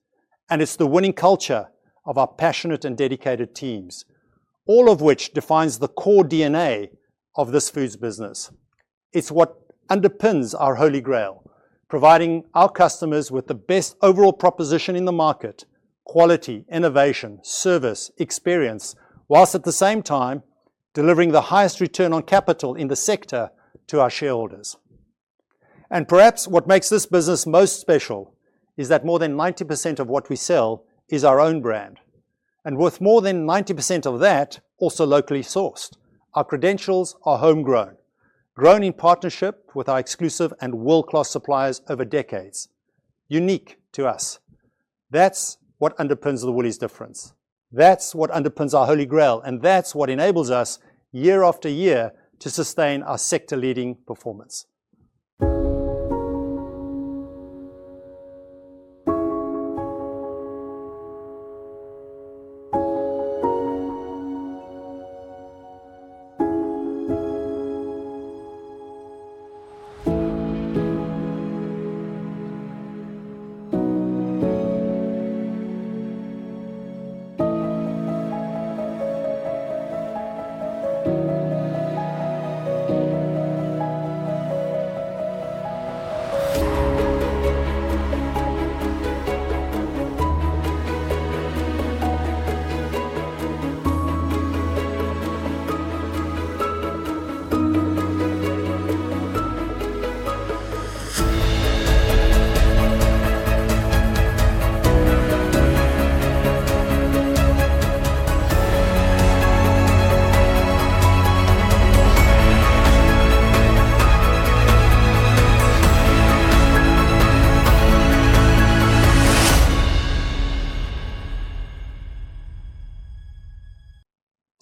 and it's the winning culture of our passionate and dedicated teams, all of which defines the core DNA of this Food Business. It's what underpins our holy grail, providing our customers with the best overall proposition in the market, quality, innovation, service, experience, whilst at the same time delivering the highest return on capital in the sector to our shareholders, and perhaps what makes this business most special is that more than 90% of what we sell is our own brand, and with more than 90% of that also locally sourced. Our credentials are homegrown, grown in partnership with our exclusive and world-class suppliers over decades, unique to us. That's what underpins the Woolies difference. That's what underpins our holy grail, and that's what enables us year after year to sustain our sector-leading performance.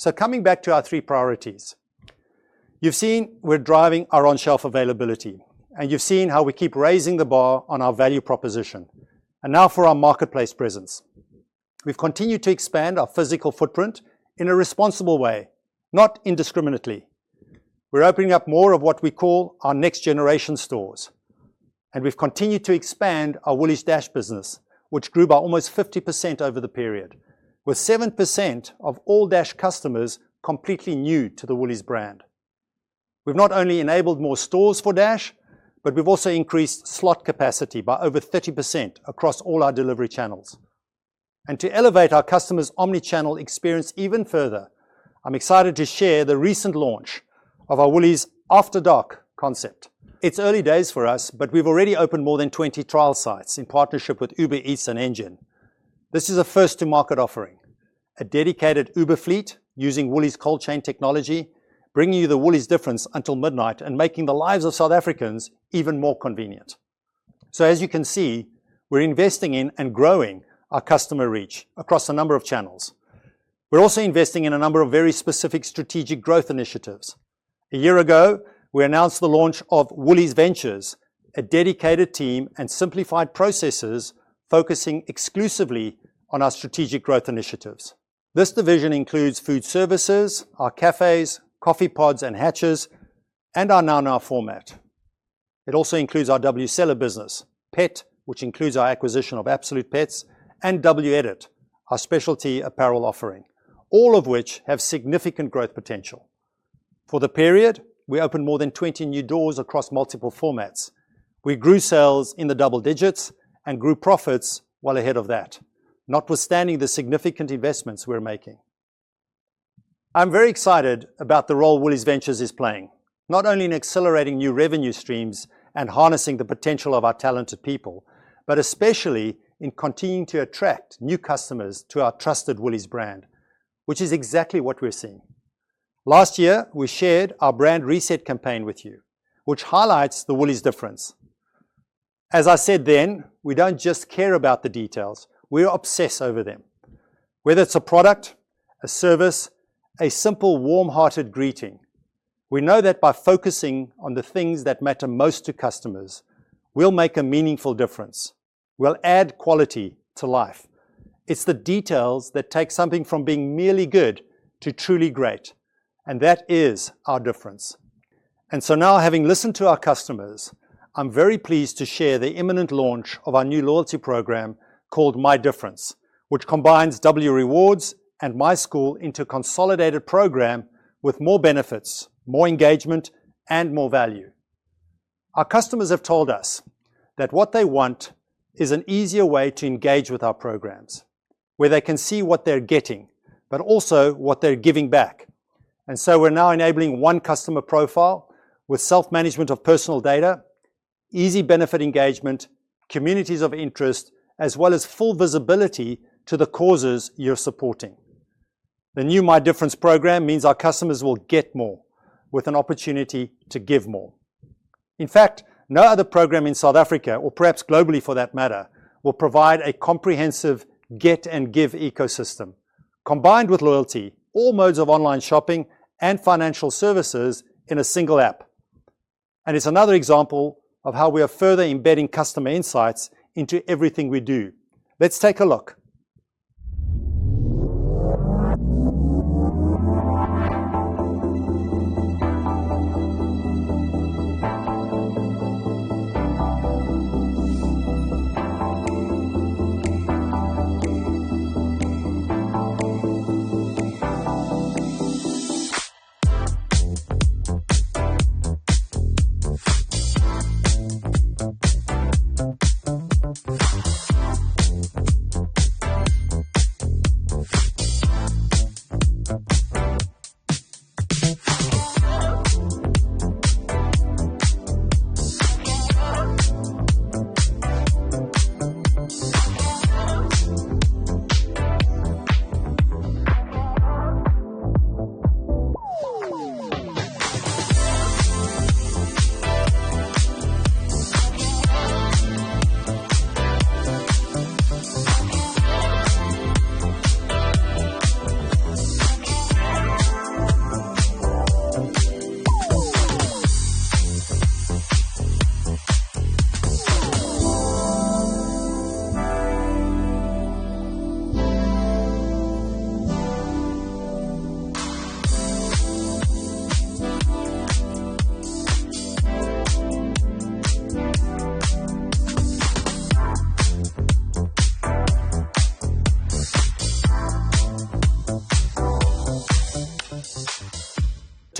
So coming back to our three priorities, you've seen we're driving our on-shelf availability, and you've seen how we keep raising the bar on our value proposition. And now for our marketplace presence. We've continued to expand our physical footprint in a responsible way, not indiscriminately. We're opening up more of what we call our next generation stores, and we've continued to expand our Woolies Dash business, which grew by almost 50% over the period, with 7% of all Dash customers completely new to the Woolies brand. We've not only enabled more stores for Dash, but we've also increased slot capacity by over 30% across all our delivery channels. And to elevate our customers' omnichannel experience even further, I'm excited to share the recent launch of our Woolies After Dark concept. It's early days for us, but we've already opened more than 20 trial sites in partnership with Uber Eats and Engen. This is a first-to-market offering, a dedicated Uber fleet using Woolies cold chain technology, bringing you the Woolies difference until midnight and making the lives of South Africans even more convenient. So as you can see, we're investing in and growing our customer reach across a number of channels. We're also investing in a number of very specific strategic growth initiatives. A year ago, we announced the launch of Woolies Ventures, a dedicated team and simplified processes focusing exclusively on our strategic growth initiatives. This division includes Food Services, our cafes, coffee carts, and hatches, and our NowNow format. It also includes our WCellar business, Pet, which includes our acquisition of Absolute Pets, and WEdit, our specialty apparel offering, all of which have significant growth potential. For the period, we opened more than 20 new doors across multiple formats. We grew sales in the double digits and grew profits well ahead of that, notwithstanding the significant investments we're making. I'm very excited about the role Woolies Ventures is playing, not only in accelerating new revenue streams and harnessing the potential of our talented people, but especially in continuing to attract new customers to our trusted Woolies brand, which is exactly what we're seeing. Last year, we shared our brand reset campaign with you, which highlights the Woolies difference. As I said then, we don't just care about the details. We're obsessed over them. Whether it's a product, a service, a simple warm-hearted greeting, we know that by focusing on the things that matter most to customers, we'll make a meaningful difference. We'll add quality to life. It's the details that take something from being merely good to truly great, and that is our difference. So now, having listened to our customers, I'm very pleased to share the imminent launch of our new loyalty program called MyDifference, which combines WRewards and MySchool into a consolidated program with more benefits, more engagement, and more value. Our customers have told us that what they want is an easier way to engage with our programs, where they can see what they're getting, but also what they're giving back. So we're now enabling one customer profile with self-management of personal data, easy benefit engagement, communities of interest, as well as full visibility to the causes you're supporting. The new MyDifference program means our customers will get more with an opportunity to give more. In fact, no other program in South Africa, or perhaps globally for that matter, will provide a comprehensive get-and-give ecosystem, combined with loyalty, all modes of online shopping, and financial services in a single app. And it's another example of how we are further embedding customer insights into everything we do. Let's take a look.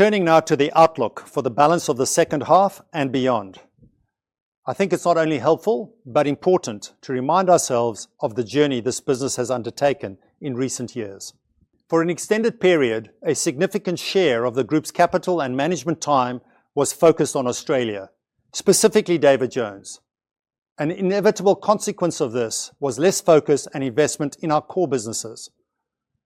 Turning now to the outlook for the balance of the second half and beyond, I think it's not only helpful, but important to remind ourselves of the journey this business has undertaken in recent years. For an extended period, a significant share of the group's capital and management time was focused on Australia, specifically David Jones. An inevitable consequence of this was less focus and investment in our core businesses.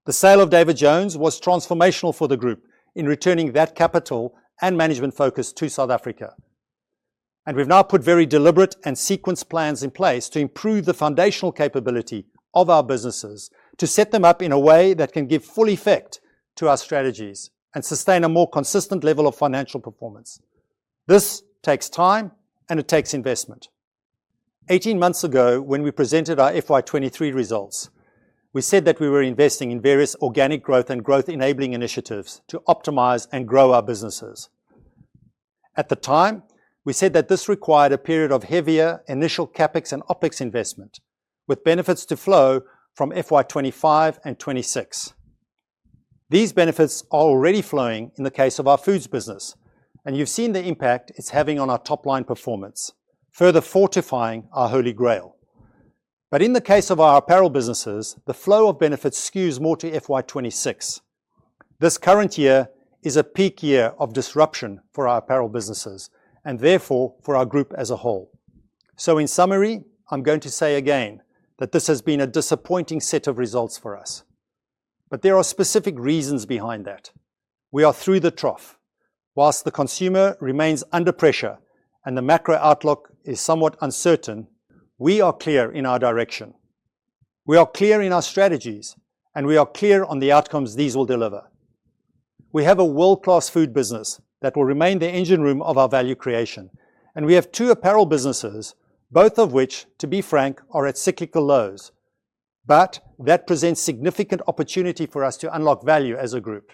The sale of David Jones was transformational for the group in returning that capital and management focus to South Africa. And we've now put very deliberate and sequenced plans in place to improve the foundational capability of our businesses, to set them up in a way that can give full effect to our strategies and sustain a more consistent level of financial performance. This takes time, and it takes investment. Eighteen months ago, when we presented our FY23 results, we said that we were investing in various organic growth and growth-enabling initiatives to optimize and grow our businesses. At the time, we said that this required a period of heavier initial CapEx and OpEx investment, with benefits to flow from FY25 and FY26. These benefits are already flowing in the case of our Food Business, and you've seen the impact it's having on our top-line performance, further fortifying our holy grail. But in the case of our apparel businesses, the flow of benefits skews more to FY26. This current year is a peak year of disruption for our apparel businesses and therefore for our group as a whole. So in summary, I'm going to say again that this has been a disappointing set of results for us. But there are specific reasons behind that. We are through the trough. Whilst the consumer remains under pressure and the macro outlook is somewhat uncertain, we are clear in our direction. We are clear in our strategies, and we are clear on the outcomes these will deliver. We have a world-class Food Business that will remain the engine room of our value creation, and we have two apparel businesses, both of which, to be frank, are at cyclical lows. But that presents significant opportunity for us to unlock value as a group.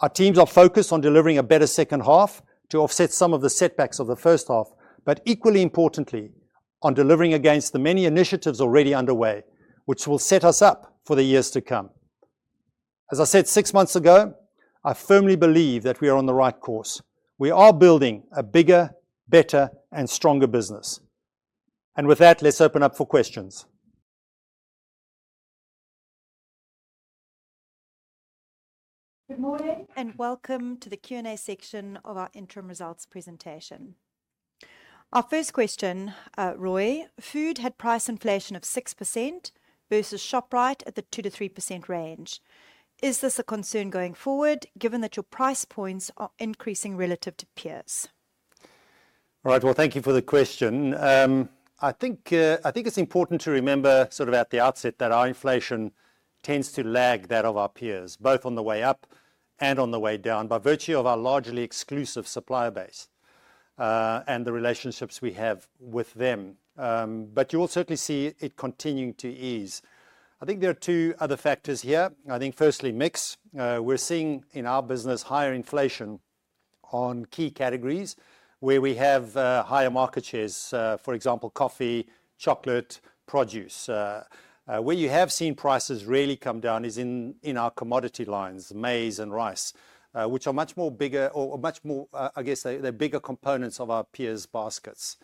Our teams are focused on delivering a better second half to offset some of the setbacks of the first half, but equally importantly, on delivering against the many initiatives already underway, which will set us up for the years to come. As I said six months ago, I firmly believe that we are on the right course. We are building a bigger, better, and stronger business. And with that, let's open up for questions. Good morning and welcome to the Q&A section of our interim results presentation. Our first question, Roy, Food had price inflation of 6% versus Shoprite at the 2%-3% range. Is this a concern going forward given that your price points are increasing relative to peers? All right, well, thank you for the question. I think it's important to remember at the outset that our inflation tends to lag that of our peers, both on the way up and on the way down, by virtue of our largely exclusive supplier base and the relationships we have with them. But you will certainly see it continuing to ease. I think there are two other factors here. I think, firstly, mix. We're seeing in our business higher inflation on key categories where we have higher market shares, for example, coffee, chocolate, produce. Where you have seen prices really come down is in our commodity lines, maize and rice, which are much bigger, They're bigger components of our peers' baskets.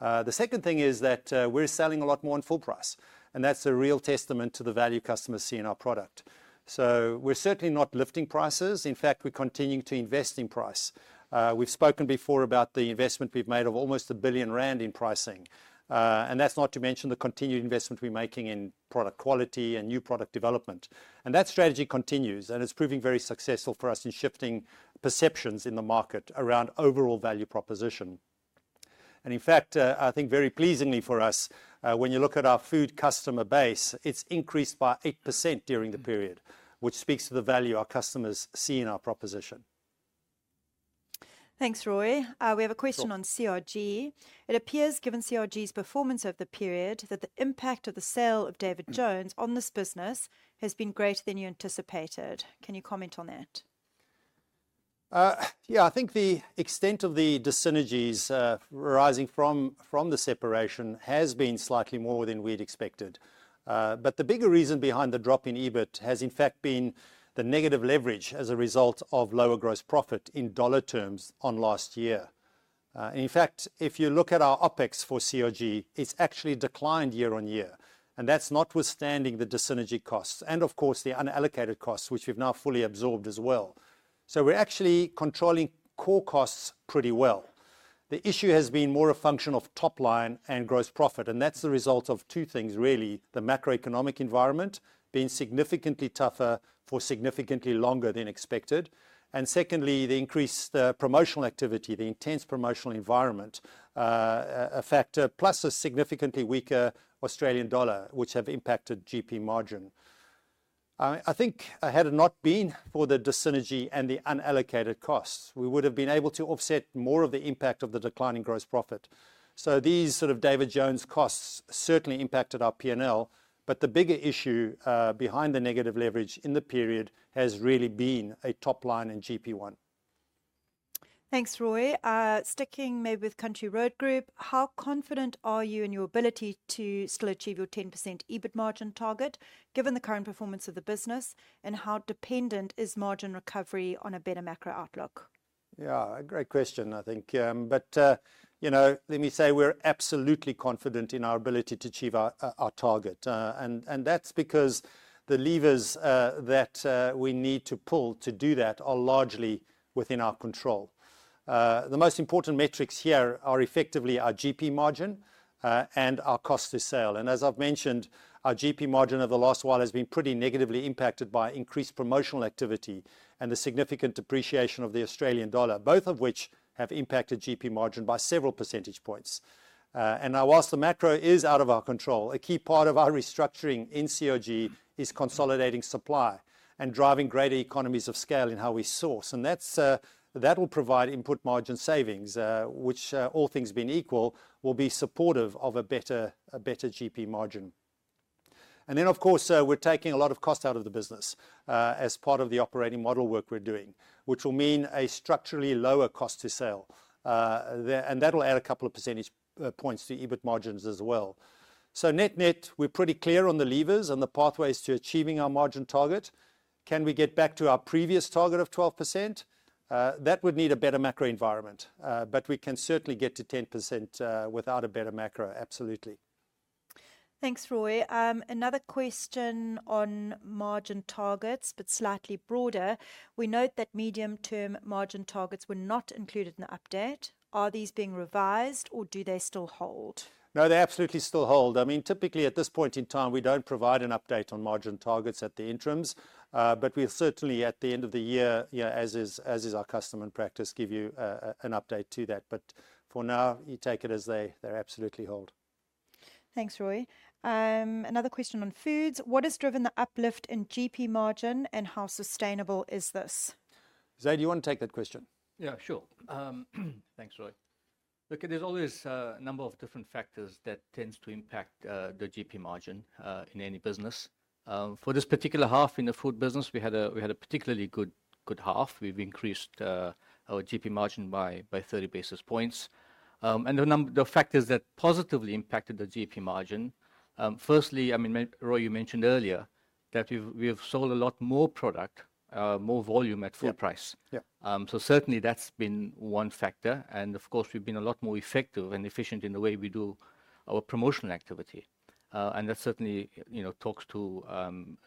The second thing is that we're selling a lot more in full price, and that's a real testament to the value customers see in our product. We're certainly not lifting prices. In fact, we're continuing to invest in price. We've spoken before about the investment we've made of almost 1 billion rand in pricing. And that's not to mention the continued investment we're making in product quality and new product development. And that strategy continues, and it's proving very successful for us in shifting perceptions in the market around overall value proposition. And in fact, I think very pleasingly for us, when you look at our Food customer base, it's increased by 8% during the period, which speaks to the value our customers see in our proposition. Thanks, Roy. We have a question on CRG. It appears, given CRG's performance over the period, that the impact of the sale of David Jones on this business has been greater than you anticipated. Can you comment on that? Yeah, I think the extent of the dyssynergies arising from the separation has been slightly more than we'd expected, but the bigger reason behind the drop in EBIT has, in fact, been the negative leverage as a result of lower gross profit in dollar terms on last year. And in fact, if you look at our OpEx for CRG, it's actually declined year on year, and that's notwithstanding the dyssynergy costs and, of course, the unallocated costs, which we've now fully absorbed as well, so we're actually controlling core costs pretty well. The issue has been more a function of top line and gross profit, and that's the result of two things, really: the macroeconomic environment being significantly tougher for significantly longer than expected, and secondly, the increased promotional activity, the intense promotional environment, a factor, plus a significantly weaker Australian dollar, which have impacted GP margin. I think had it not been for the dyssynergy and the unallocated costs, we would have been able to offset more of the impact of the declining gross profit. So these David Jones costs certainly impacted our P&L, but the bigger issue behind the negative leverage in the period has really been a top line and GP one. Thanks, Roy. Sticking maybe with Country Road Group, how confident are you in your ability to still achieve your 10% EBIT margin target given the current performance of the business, and how dependent is margin recovery on a better macro outlook? Yeah, a great question, I think, but let me say we're absolutely confident in our ability to achieve our target, and that's because the levers that we need to pull to do that are largely within our control. The most important metrics here are effectively our GP margin and our cost of sale. And as I've mentioned, our GP margin over the last while has been pretty negatively impacted by increased promotional activity and the significant depreciation of the Australian dollar, both of which have impacted GP margin by several percentage points. And I'll say the macro is out of our control. A key part of our restructuring in CRG is consolidating supply and driving greater economies of scale in how we source. And that will provide input margin savings, which, all things being equal, will be supportive of a better GP margin. And then, of course, we're taking a lot of cost out of the business as part of the operating model work we're doing, which will mean a structurally lower cost of sale. And that will add a couple of percentage points to EBIT margins as well. So net net, we're pretty clear on the levers and the pathways to achieving our margin target. Can we get back to our previous target of 12%? That would need a better macro environment, but we can certainly get to 10% without a better macro, absolutely. Thanks, Roy. Another question on margin targets, but slightly broader. We note that medium-term margin targets were not included in the update. Are these being revised, or do they still hold? No, they absolutely still hold. Typically at this point in time, we don't provide an update on margin targets at the interims, but we'll certainly, at the end of the year, as is our custom and practice, give you an update to that. But for now, you take it as they absolutely hold. Thanks, Roy. Another question on Food. What has driven the uplift in GP margin, and how sustainable is this? Zaid, do you want to take that question? Yeah, sure. Thanks, Roy. Look, there's always a number of different factors that tend to impact the GP margin in any business. For this particular half in the Food Business, we had a particularly good half. We've increased our GP margin by 30 basis points. And the factors that positively impacted the GP margin, firstly, Roy, you mentioned earlier that we've sold a lot more product, more volume at full price. So certainly that's been one factor. And of course, we've been a lot more effective and efficient in the way we do our promotional activity. And that certainly talks to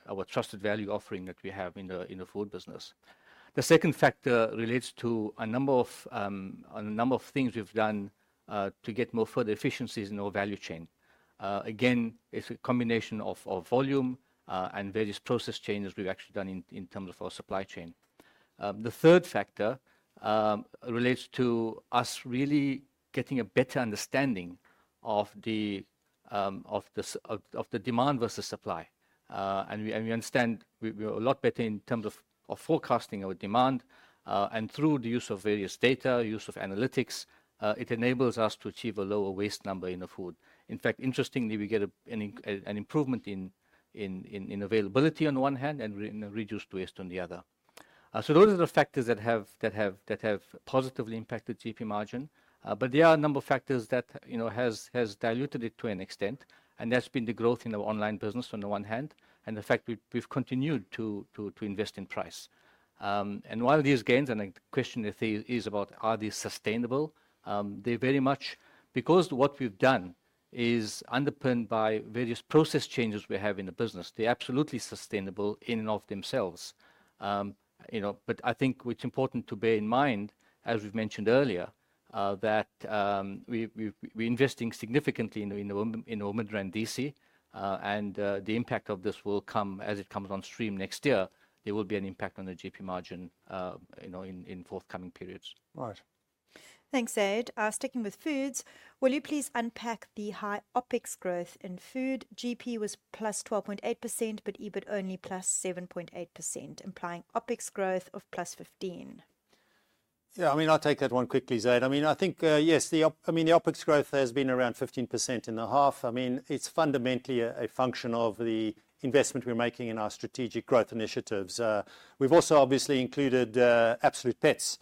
our trusted value offering that we have in the Food Business. The second factor relates to a number of things we've done to get more further efficiencies in our value chain. Again, it's a combination of volume and various process changes we've actually done in terms of our supply chain. The third factor relates to us really getting a better understanding of the demand versus supply, and we understand we're a lot better in terms of forecasting our demand, and through the use of various data, use of analytics, it enables us to achieve a lower waste number in the Food. In fact, interestingly, we get an improvement in availability on the one hand and reduced waste on the other, so those are the factors that have positively impacted GP margin, but there are a number of factors that have diluted it to an extent. And that's been the growth in our online business on the one hand, and the fact we've continued to invest in price. And while these gains, and the question is about, are these sustainable? They very much are, because what we've done is underpinned by various process changes we have in the business; they're absolutely sustainable in and of themselves. But I think it's important to bear in mind, as we've mentioned earlier, that we're investing significantly in our Midrand DC, and the impact of this will come as it comes on stream next year. There will be an impact on the GP margin in forthcoming periods. Thanks, Zaid. Sticking with Food, will you please unpack the high OpEx growth in Food? GP was plus 12.8%, but EBIT only plus 7.8%, implying OpEx growth of plus 15%. Yeah, I'll take that one quickly, Zaid. I think, yes, the OpEx growth has been around 15% in the half. It's fundamentally a function of the investment we're making in our strategic growth initiatives. We've also obviously included Absolute Pets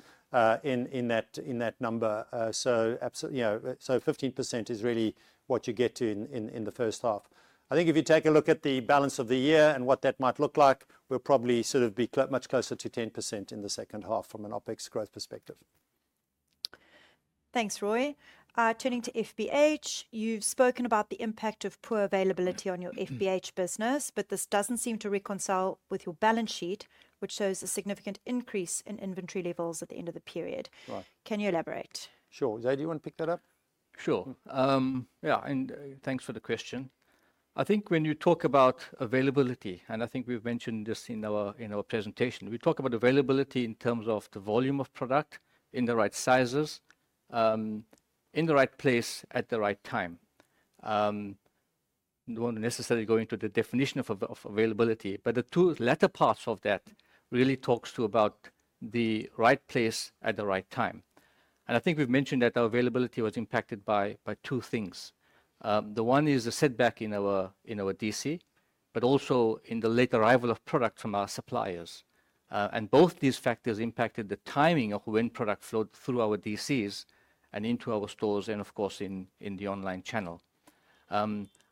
in that number. So 15% is really what you get in the first half. I think if you take a look at the balance of the year and what that might look like, we'll probably be much closer to 10% in the second half from an OpEx growth perspective. Thanks, Roy. Turning to FBH, you've spoken about the impact of poor availability on your FBH business, but this doesn't seem to reconcile with your balance sheet, which shows a significant increase in inventory levels at the end of the period. Can you elaborate? Sure. Zaid, do you want to pick that up? Sure. Yeah, and thanks for the question. I think when you talk about availability, and I think we've mentioned this in our presentation, we talk about availability in terms of the volume of product in the right sizes, in the right place at the right time. I don't want to necessarily go into the definition of availability, but the two latter parts of that really talk about the right place at the right time. And I think we've mentioned that our availability was impacted by two things. The one is a setback in our DC, but also in the late arrival of product from our suppliers. And both these factors impacted the timing of when product flowed through our DCs and into our stores and, of course, in the online channel.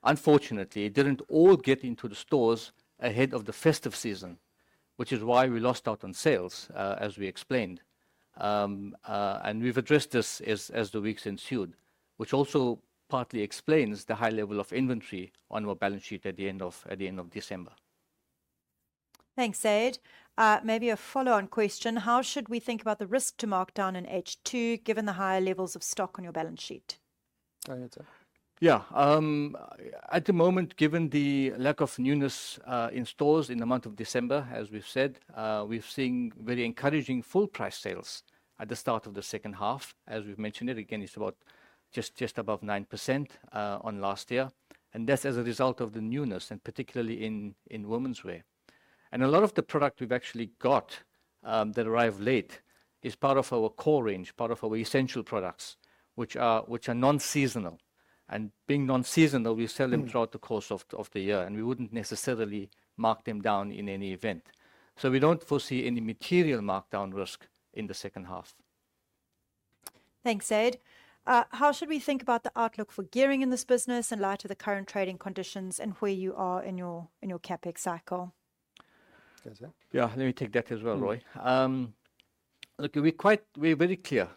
Unfortunately, it didn't all get into the stores ahead of the festive season, which is why we lost out on sales, as we explained. And we've addressed this as the weeks ensued, which also partly explains the high level of inventory on our balance sheet at the end of December. Thanks, Zaid. Maybe a follow-on question. How should we think about the risk to markdown in H2 given the higher levels of stock on your balance sheet? Go ahead, Zaid. Yeah, at the moment, given the lack of newness in stores in the month of December, as we've said, we've seen very encouraging full price sales at the start of the second half. As we've mentioned, it again, it's about just above 9% on last year. And that's as a result of the newness, and particularly in womenswear. And a lot of the product we've actually got that arrived late is part of our core range, part of our essential products, which are non-seasonal. Being non-seasonal, we sell them throughout the course of the year, and we wouldn't necessarily mark them down in any event. So we don't foresee any material markdown risk in the second half. Thanks, Zaid. How should we think about the outlook for gearing in this business in light of the current trading conditions and where you are in your CapEx cycle? Yeah, let me take that as well, Roy. Look, we're very clear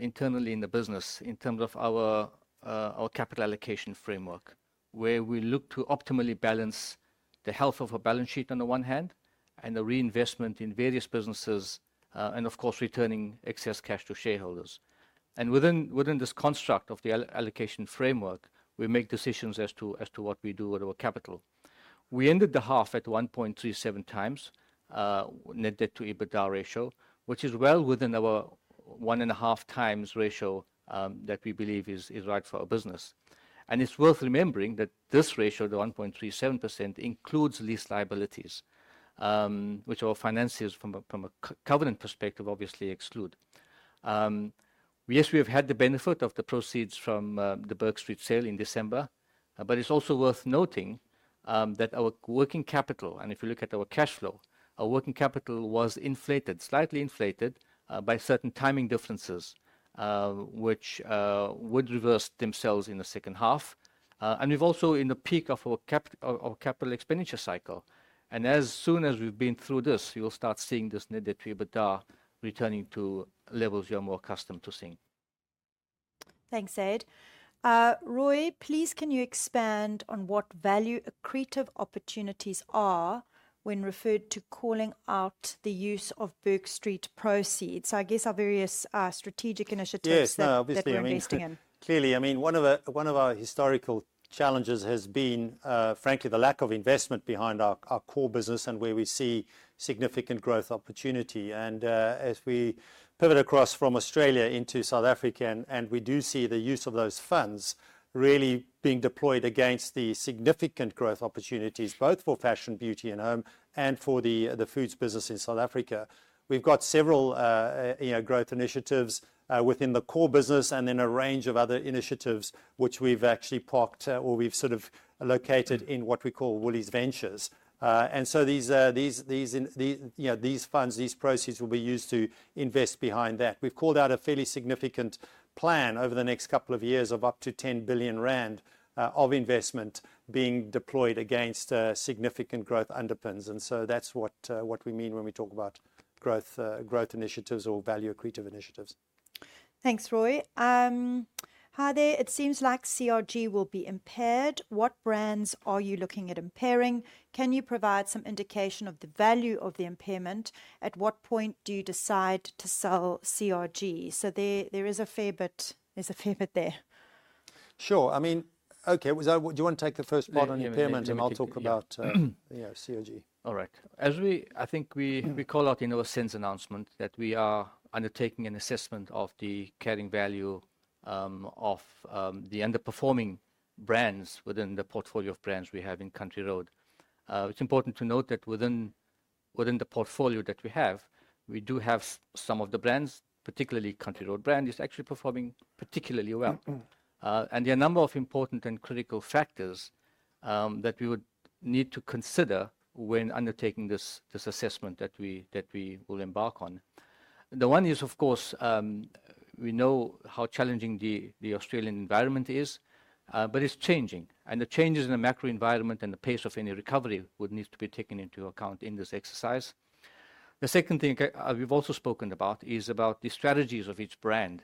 internally in the business in terms of our capital allocation framework, where we look to optimally balance the health of our balance sheet on the one hand and the reinvestment in various businesses, and of course, returning excess cash to shareholders. And within this construct of the allocation framework, we make decisions as to what we do with our capital. We ended the half at 1.37 times net debt to EBITDA ratio, which is well within our one and a half times ratio that we believe is right for our business. It's worth remembering that this ratio, the 1.37%, includes lease liabilities, which our financiers, from a covenant perspective, obviously exclude. Yes, we have had the benefit of the proceeds from the Bourke Street sale in December, but it's also worth noting that our working capital, and if you look at our cash flow, our working capital was inflated, slightly inflated by certain timing differences, which would reverse themselves in the second half. We've also in the peak of our capital expenditure cycle. As soon as we've been through this, you'll start seeing this net debt to EBITDA returning to levels you're more accustomed to seeing. Thanks, Zaid. Roy, please, can you expand on what value accretive opportunities are when referred to calling out the use of Bourke Street proceeds? Our various strategic initiatives that we've been investing in. Obviously, one of our historical challenges has been, frankly, the lack of investment behind our core business and where we see significant growth opportunity. And as we pivot across from Australia into South Africa, and we do see the use of those funds really being deployed against the significant growth opportunities, both for Fashion, Beauty, and Home, and for the Food Business in South Africa. We've got several growth initiatives within the core business and then a range of other initiatives which we've actually parked or we've located in what we call Woolies Ventures. And so these funds, these proceeds will be used to invest behind that. We've called out a fairly significant plan over the next couple of years of up to 10 billion rand of investment being deployed against significant growth underpins, and so that's what we mean when we talk about growth initiatives or value accretive initiatives. Thanks, Roy. Hi there. It seems like CRG will be impaired. What brands are you looking at impairing? Can you provide some indication of the value of the impairment? At what point do you decide to sell CRG? So there is a fair bit there. Sure. Do you want to take the first part on the impairment and I'll talk about CRG? All right. I think we call out in our sales announcement that we are undertaking an assessment of the carrying value of the underperforming brands within the portfolio of brands we have in Country Road. It's important to note that within the portfolio that we have, we do have some of the brands, particularly Country Road brand, is actually performing particularly well, and there are a number of important and critical factors that we would need to consider when undertaking this assessment that we will embark on. The one is, of course, we know how challenging the Australian environment is, but it's changing, and the changes in the macro environment and the pace of any recovery would need to be taken into account in this exercise. The second thing we've also spoken about is about the strategies of each brand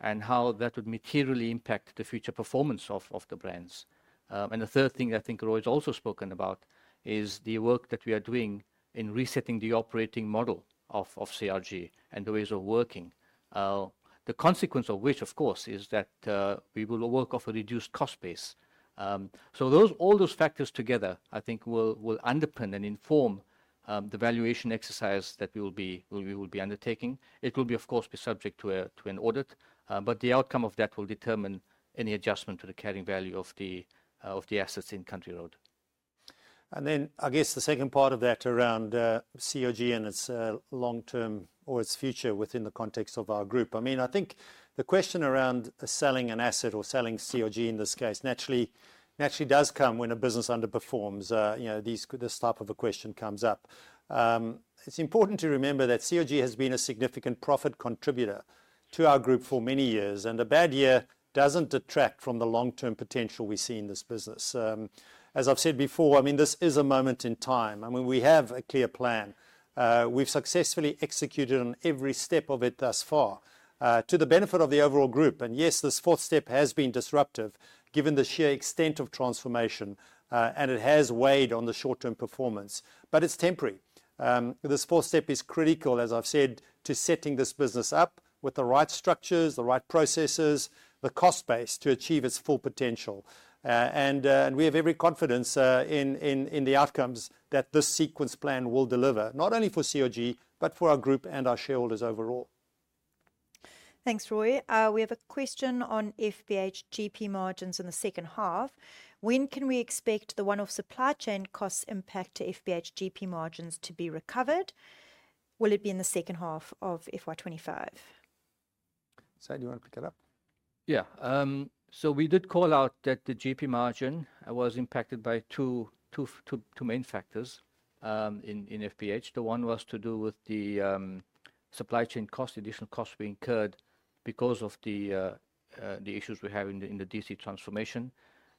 and how that would materially impact the future performance of the brands, and the third thing I think Roy's also spoken about is the work that we are doing in resetting the operating model of CRG and the ways of working. The consequence of which, of course, is that we will work off a reduced cost base. So all those factors together, I think, will underpin and inform the valuation exercise that we will be undertaking. It will be, of course, subject to an audit, but the outcome of that will determine any adjustment to the carrying value of the assets in Country Road. And then the second part of that around CRG and its long term or its future within the context of our group. The question around selling an asset or selling CRG in this case naturally does come when a business underperforms. This type of a question comes up. It's important to remember that CRG has been a significant profit contributor to our group for many years, and a bad year doesn't detract from the long term potential we see in this business. As I've said before, this is a moment in time. We have a clear plan. We've successfully executed on every step of it thus far to the benefit of the overall group. And yes, this fourth step has been disruptive given the sheer extent of transformation, and it has weighed on the short term performance, but it's temporary. This fourth step is critical, as I've said, to setting this business up with the right structures, the right processes, the cost base to achieve its full potential. And we have every confidence in the outcomes that this sequence plan will deliver, not only for CRG, but for our group and our shareholders overall. Thanks, Roy. We have a question on FBH GP margins in the second half. When can we expect the one-off supply chain costs impact to FBH GP margins to be recovered? Will it be in the second half of FY25? Zaid, do you want to pick it up? Yeah. So we did call out that the GP margin was impacted by two main factors in FBH. The one was to do with the supply chain cost, additional costs we incurred because of the issues we have in the DC transformation.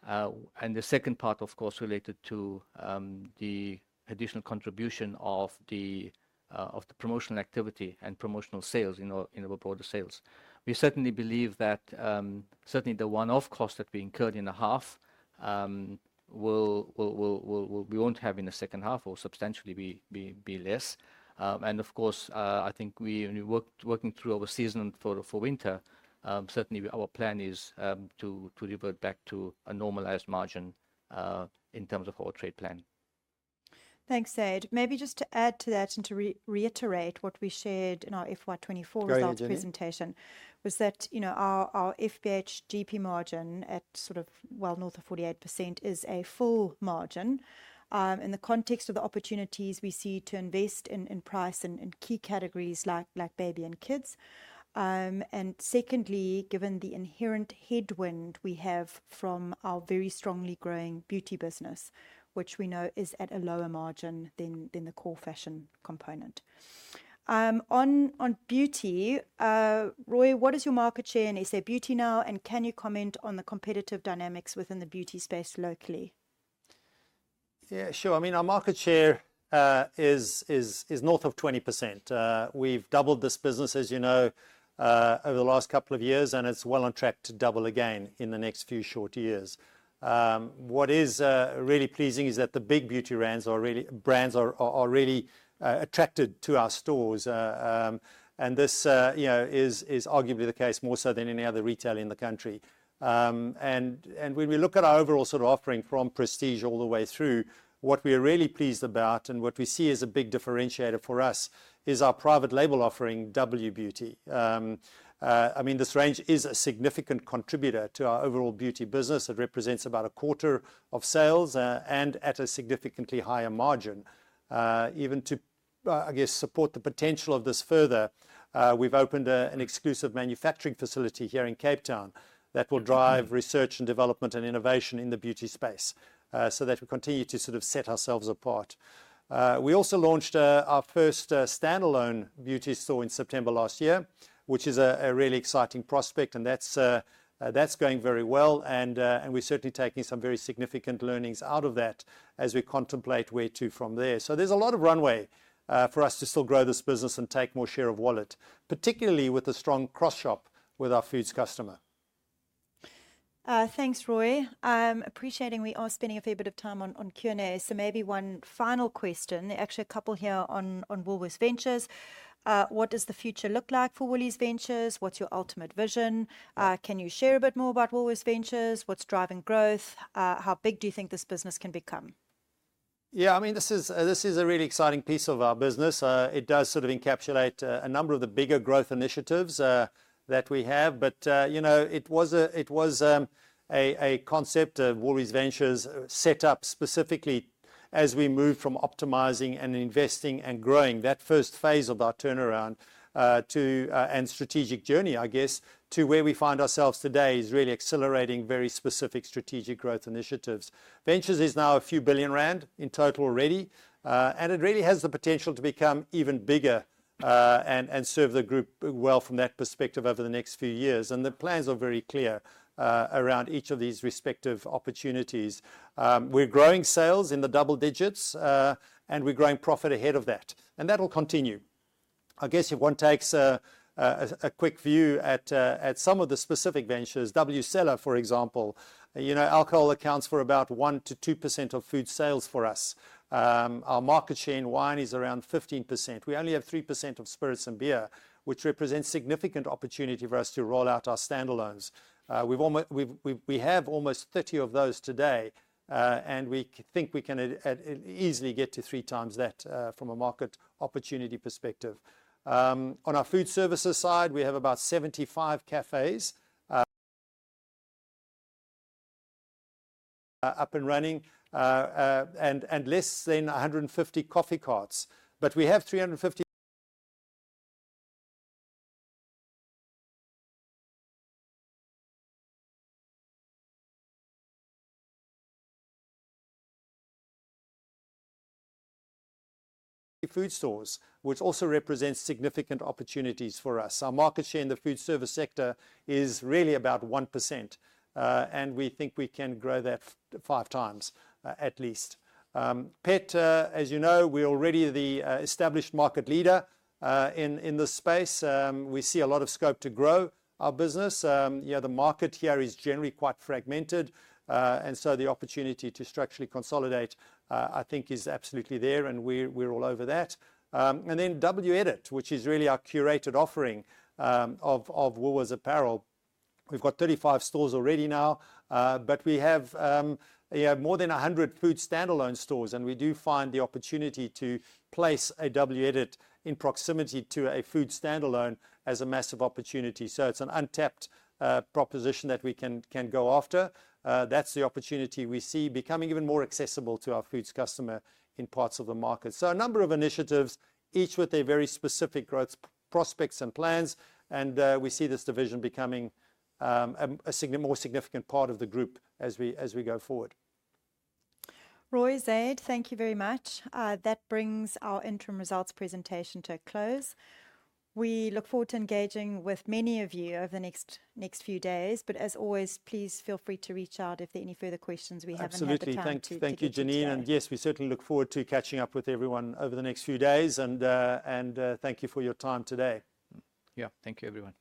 And the second part, of course, related to the additional contribution of the promotional activity and promotional sales in our broader sales. We certainly believe that the one-off cost that we incurred in the half, we won't have in the second half or substantially be less. And of course, I think working through our season for winter, certainly our plan is to revert back to a normalized margin in terms of our trade plan. Thanks, Zaid. Maybe just to add to that and to reiterate what we shared in our FY24 result presentation, was that our FBH GP margin at well north of 48% is a full margin in the context of the opportunities we see to invest in price and key categories like baby and kids. And secondly, given the inherent headwind we have from our very strongly growing beauty business, which we know is at a lower margin than the core fashion component. On beauty, Roy, what is your market share in SA Beauty now, and can you comment on the competitive dynamics within the beauty space locally? Yeah, sure. Our market share is north of 20%. We've doubled this business, over the last couple of years, and it's well on track to double again in the next few short years. What is really pleasing is that the big beauty brands are really attracted to our stores, and this is arguably the case more so than any other retail in the country, and when we look at our overall offering from prestige all the way through, what we are really pleased about and what we see as a big differentiator for us is our private label offering, WBeauty. This range is a significant contributor to our overall beauty business. It represents about a quarter of sales and at a significantly higher margin. Even to, support the potential of this further, we've opened an exclusive manufacturing facility here in Cape Town that will drive research and development and innovation in the beauty space so that we continue to set ourselves apart. We also launched our first standalone beauty store in September last year, which is a really exciting prospect, and that's going very well. And we're certainly taking some very significant learnings out of that as we contemplate where to from there. So there's a lot of runway for us to still grow this business and take more share of wallet, particularly with a strong cross-shop with our Food customer. Thanks, Roy. Appreciating we are spending a fair bit of time on Q&A. So maybe one final question, actually a couple here on Woolies Ventures. What does the future look like for Woolies Ventures? What's your ultimate vision? Can you share a bit more about Woolies Ventures? What's driving growth? How big do you think this business can become? This is a really exciting piece of our business. It does encapsulate a number of the bigger growth initiatives that we have. But it was a concept of Woolies Ventures set up specifically as we moved from optimizing and investing and growing that first phase of our turnaround and strategic journey, To where we find ourselves today, is really accelerating very specific strategic growth initiatives. Ventures is now a few billion ZAR in total already, and it really has the potential to become even bigger and serve the group well from that perspective over the next few years, and the plans are very clear around each of these respective opportunities. We're growing sales in the double digits, and we're growing profit ahead of that. And that will continue. If one takes a quick view at some of the specific ventures, WCellar, for example, alcohol accounts for about 1%-2% of Food sales for us. Our market share in wine is around 15%. We only have 3% of spirits and beer, which represents significant opportunity for us to roll out our standalones. We have almost 30 of those today, and we think we can easily get to three times that from a market opportunity perspective. On our Food Services side, we have about 75 cafes up and running and less than 150 coffee carts. But we have 350 Food stores, which also represents significant opportunities for us. Our market share in the Food Service sector is really about 1%, and we think we can grow that five times at least. Pet, we're already the established market leader in this space. We see a lot of scope to grow our business. The market here is generally quite fragmented, and so the opportunity to structurally consolidate, I think, is absolutely there, and we're all over that. And then WEdit, which is really our curated offering of Woolies Apparel. We've got 35 stores already now, but we have more than 100 Food standalone stores, and we do find the opportunity to place a WEdit in proximity to a Food standalone as a massive opportunity. So it's an untapped proposition that we can go after. That's the opportunity we see becoming even more accessible to our Food customer in parts of the market. So a number of initiatives, each with their very specific growth prospects and plans, and we see this division becoming a more significant part of the group as we go forward. Roy, Zaid, thank you very much. That brings our interim results presentation to a close. We look forward to engaging with many of you over the next few days, but as always, please feel free to reach out if there are any further questions we haven't addressed. Absolutely. Thank you, Jeanine. And yes, we certainly look forward to catching up with everyone over the next few days, and thank you for your time today. Yeah, thank you, everyone.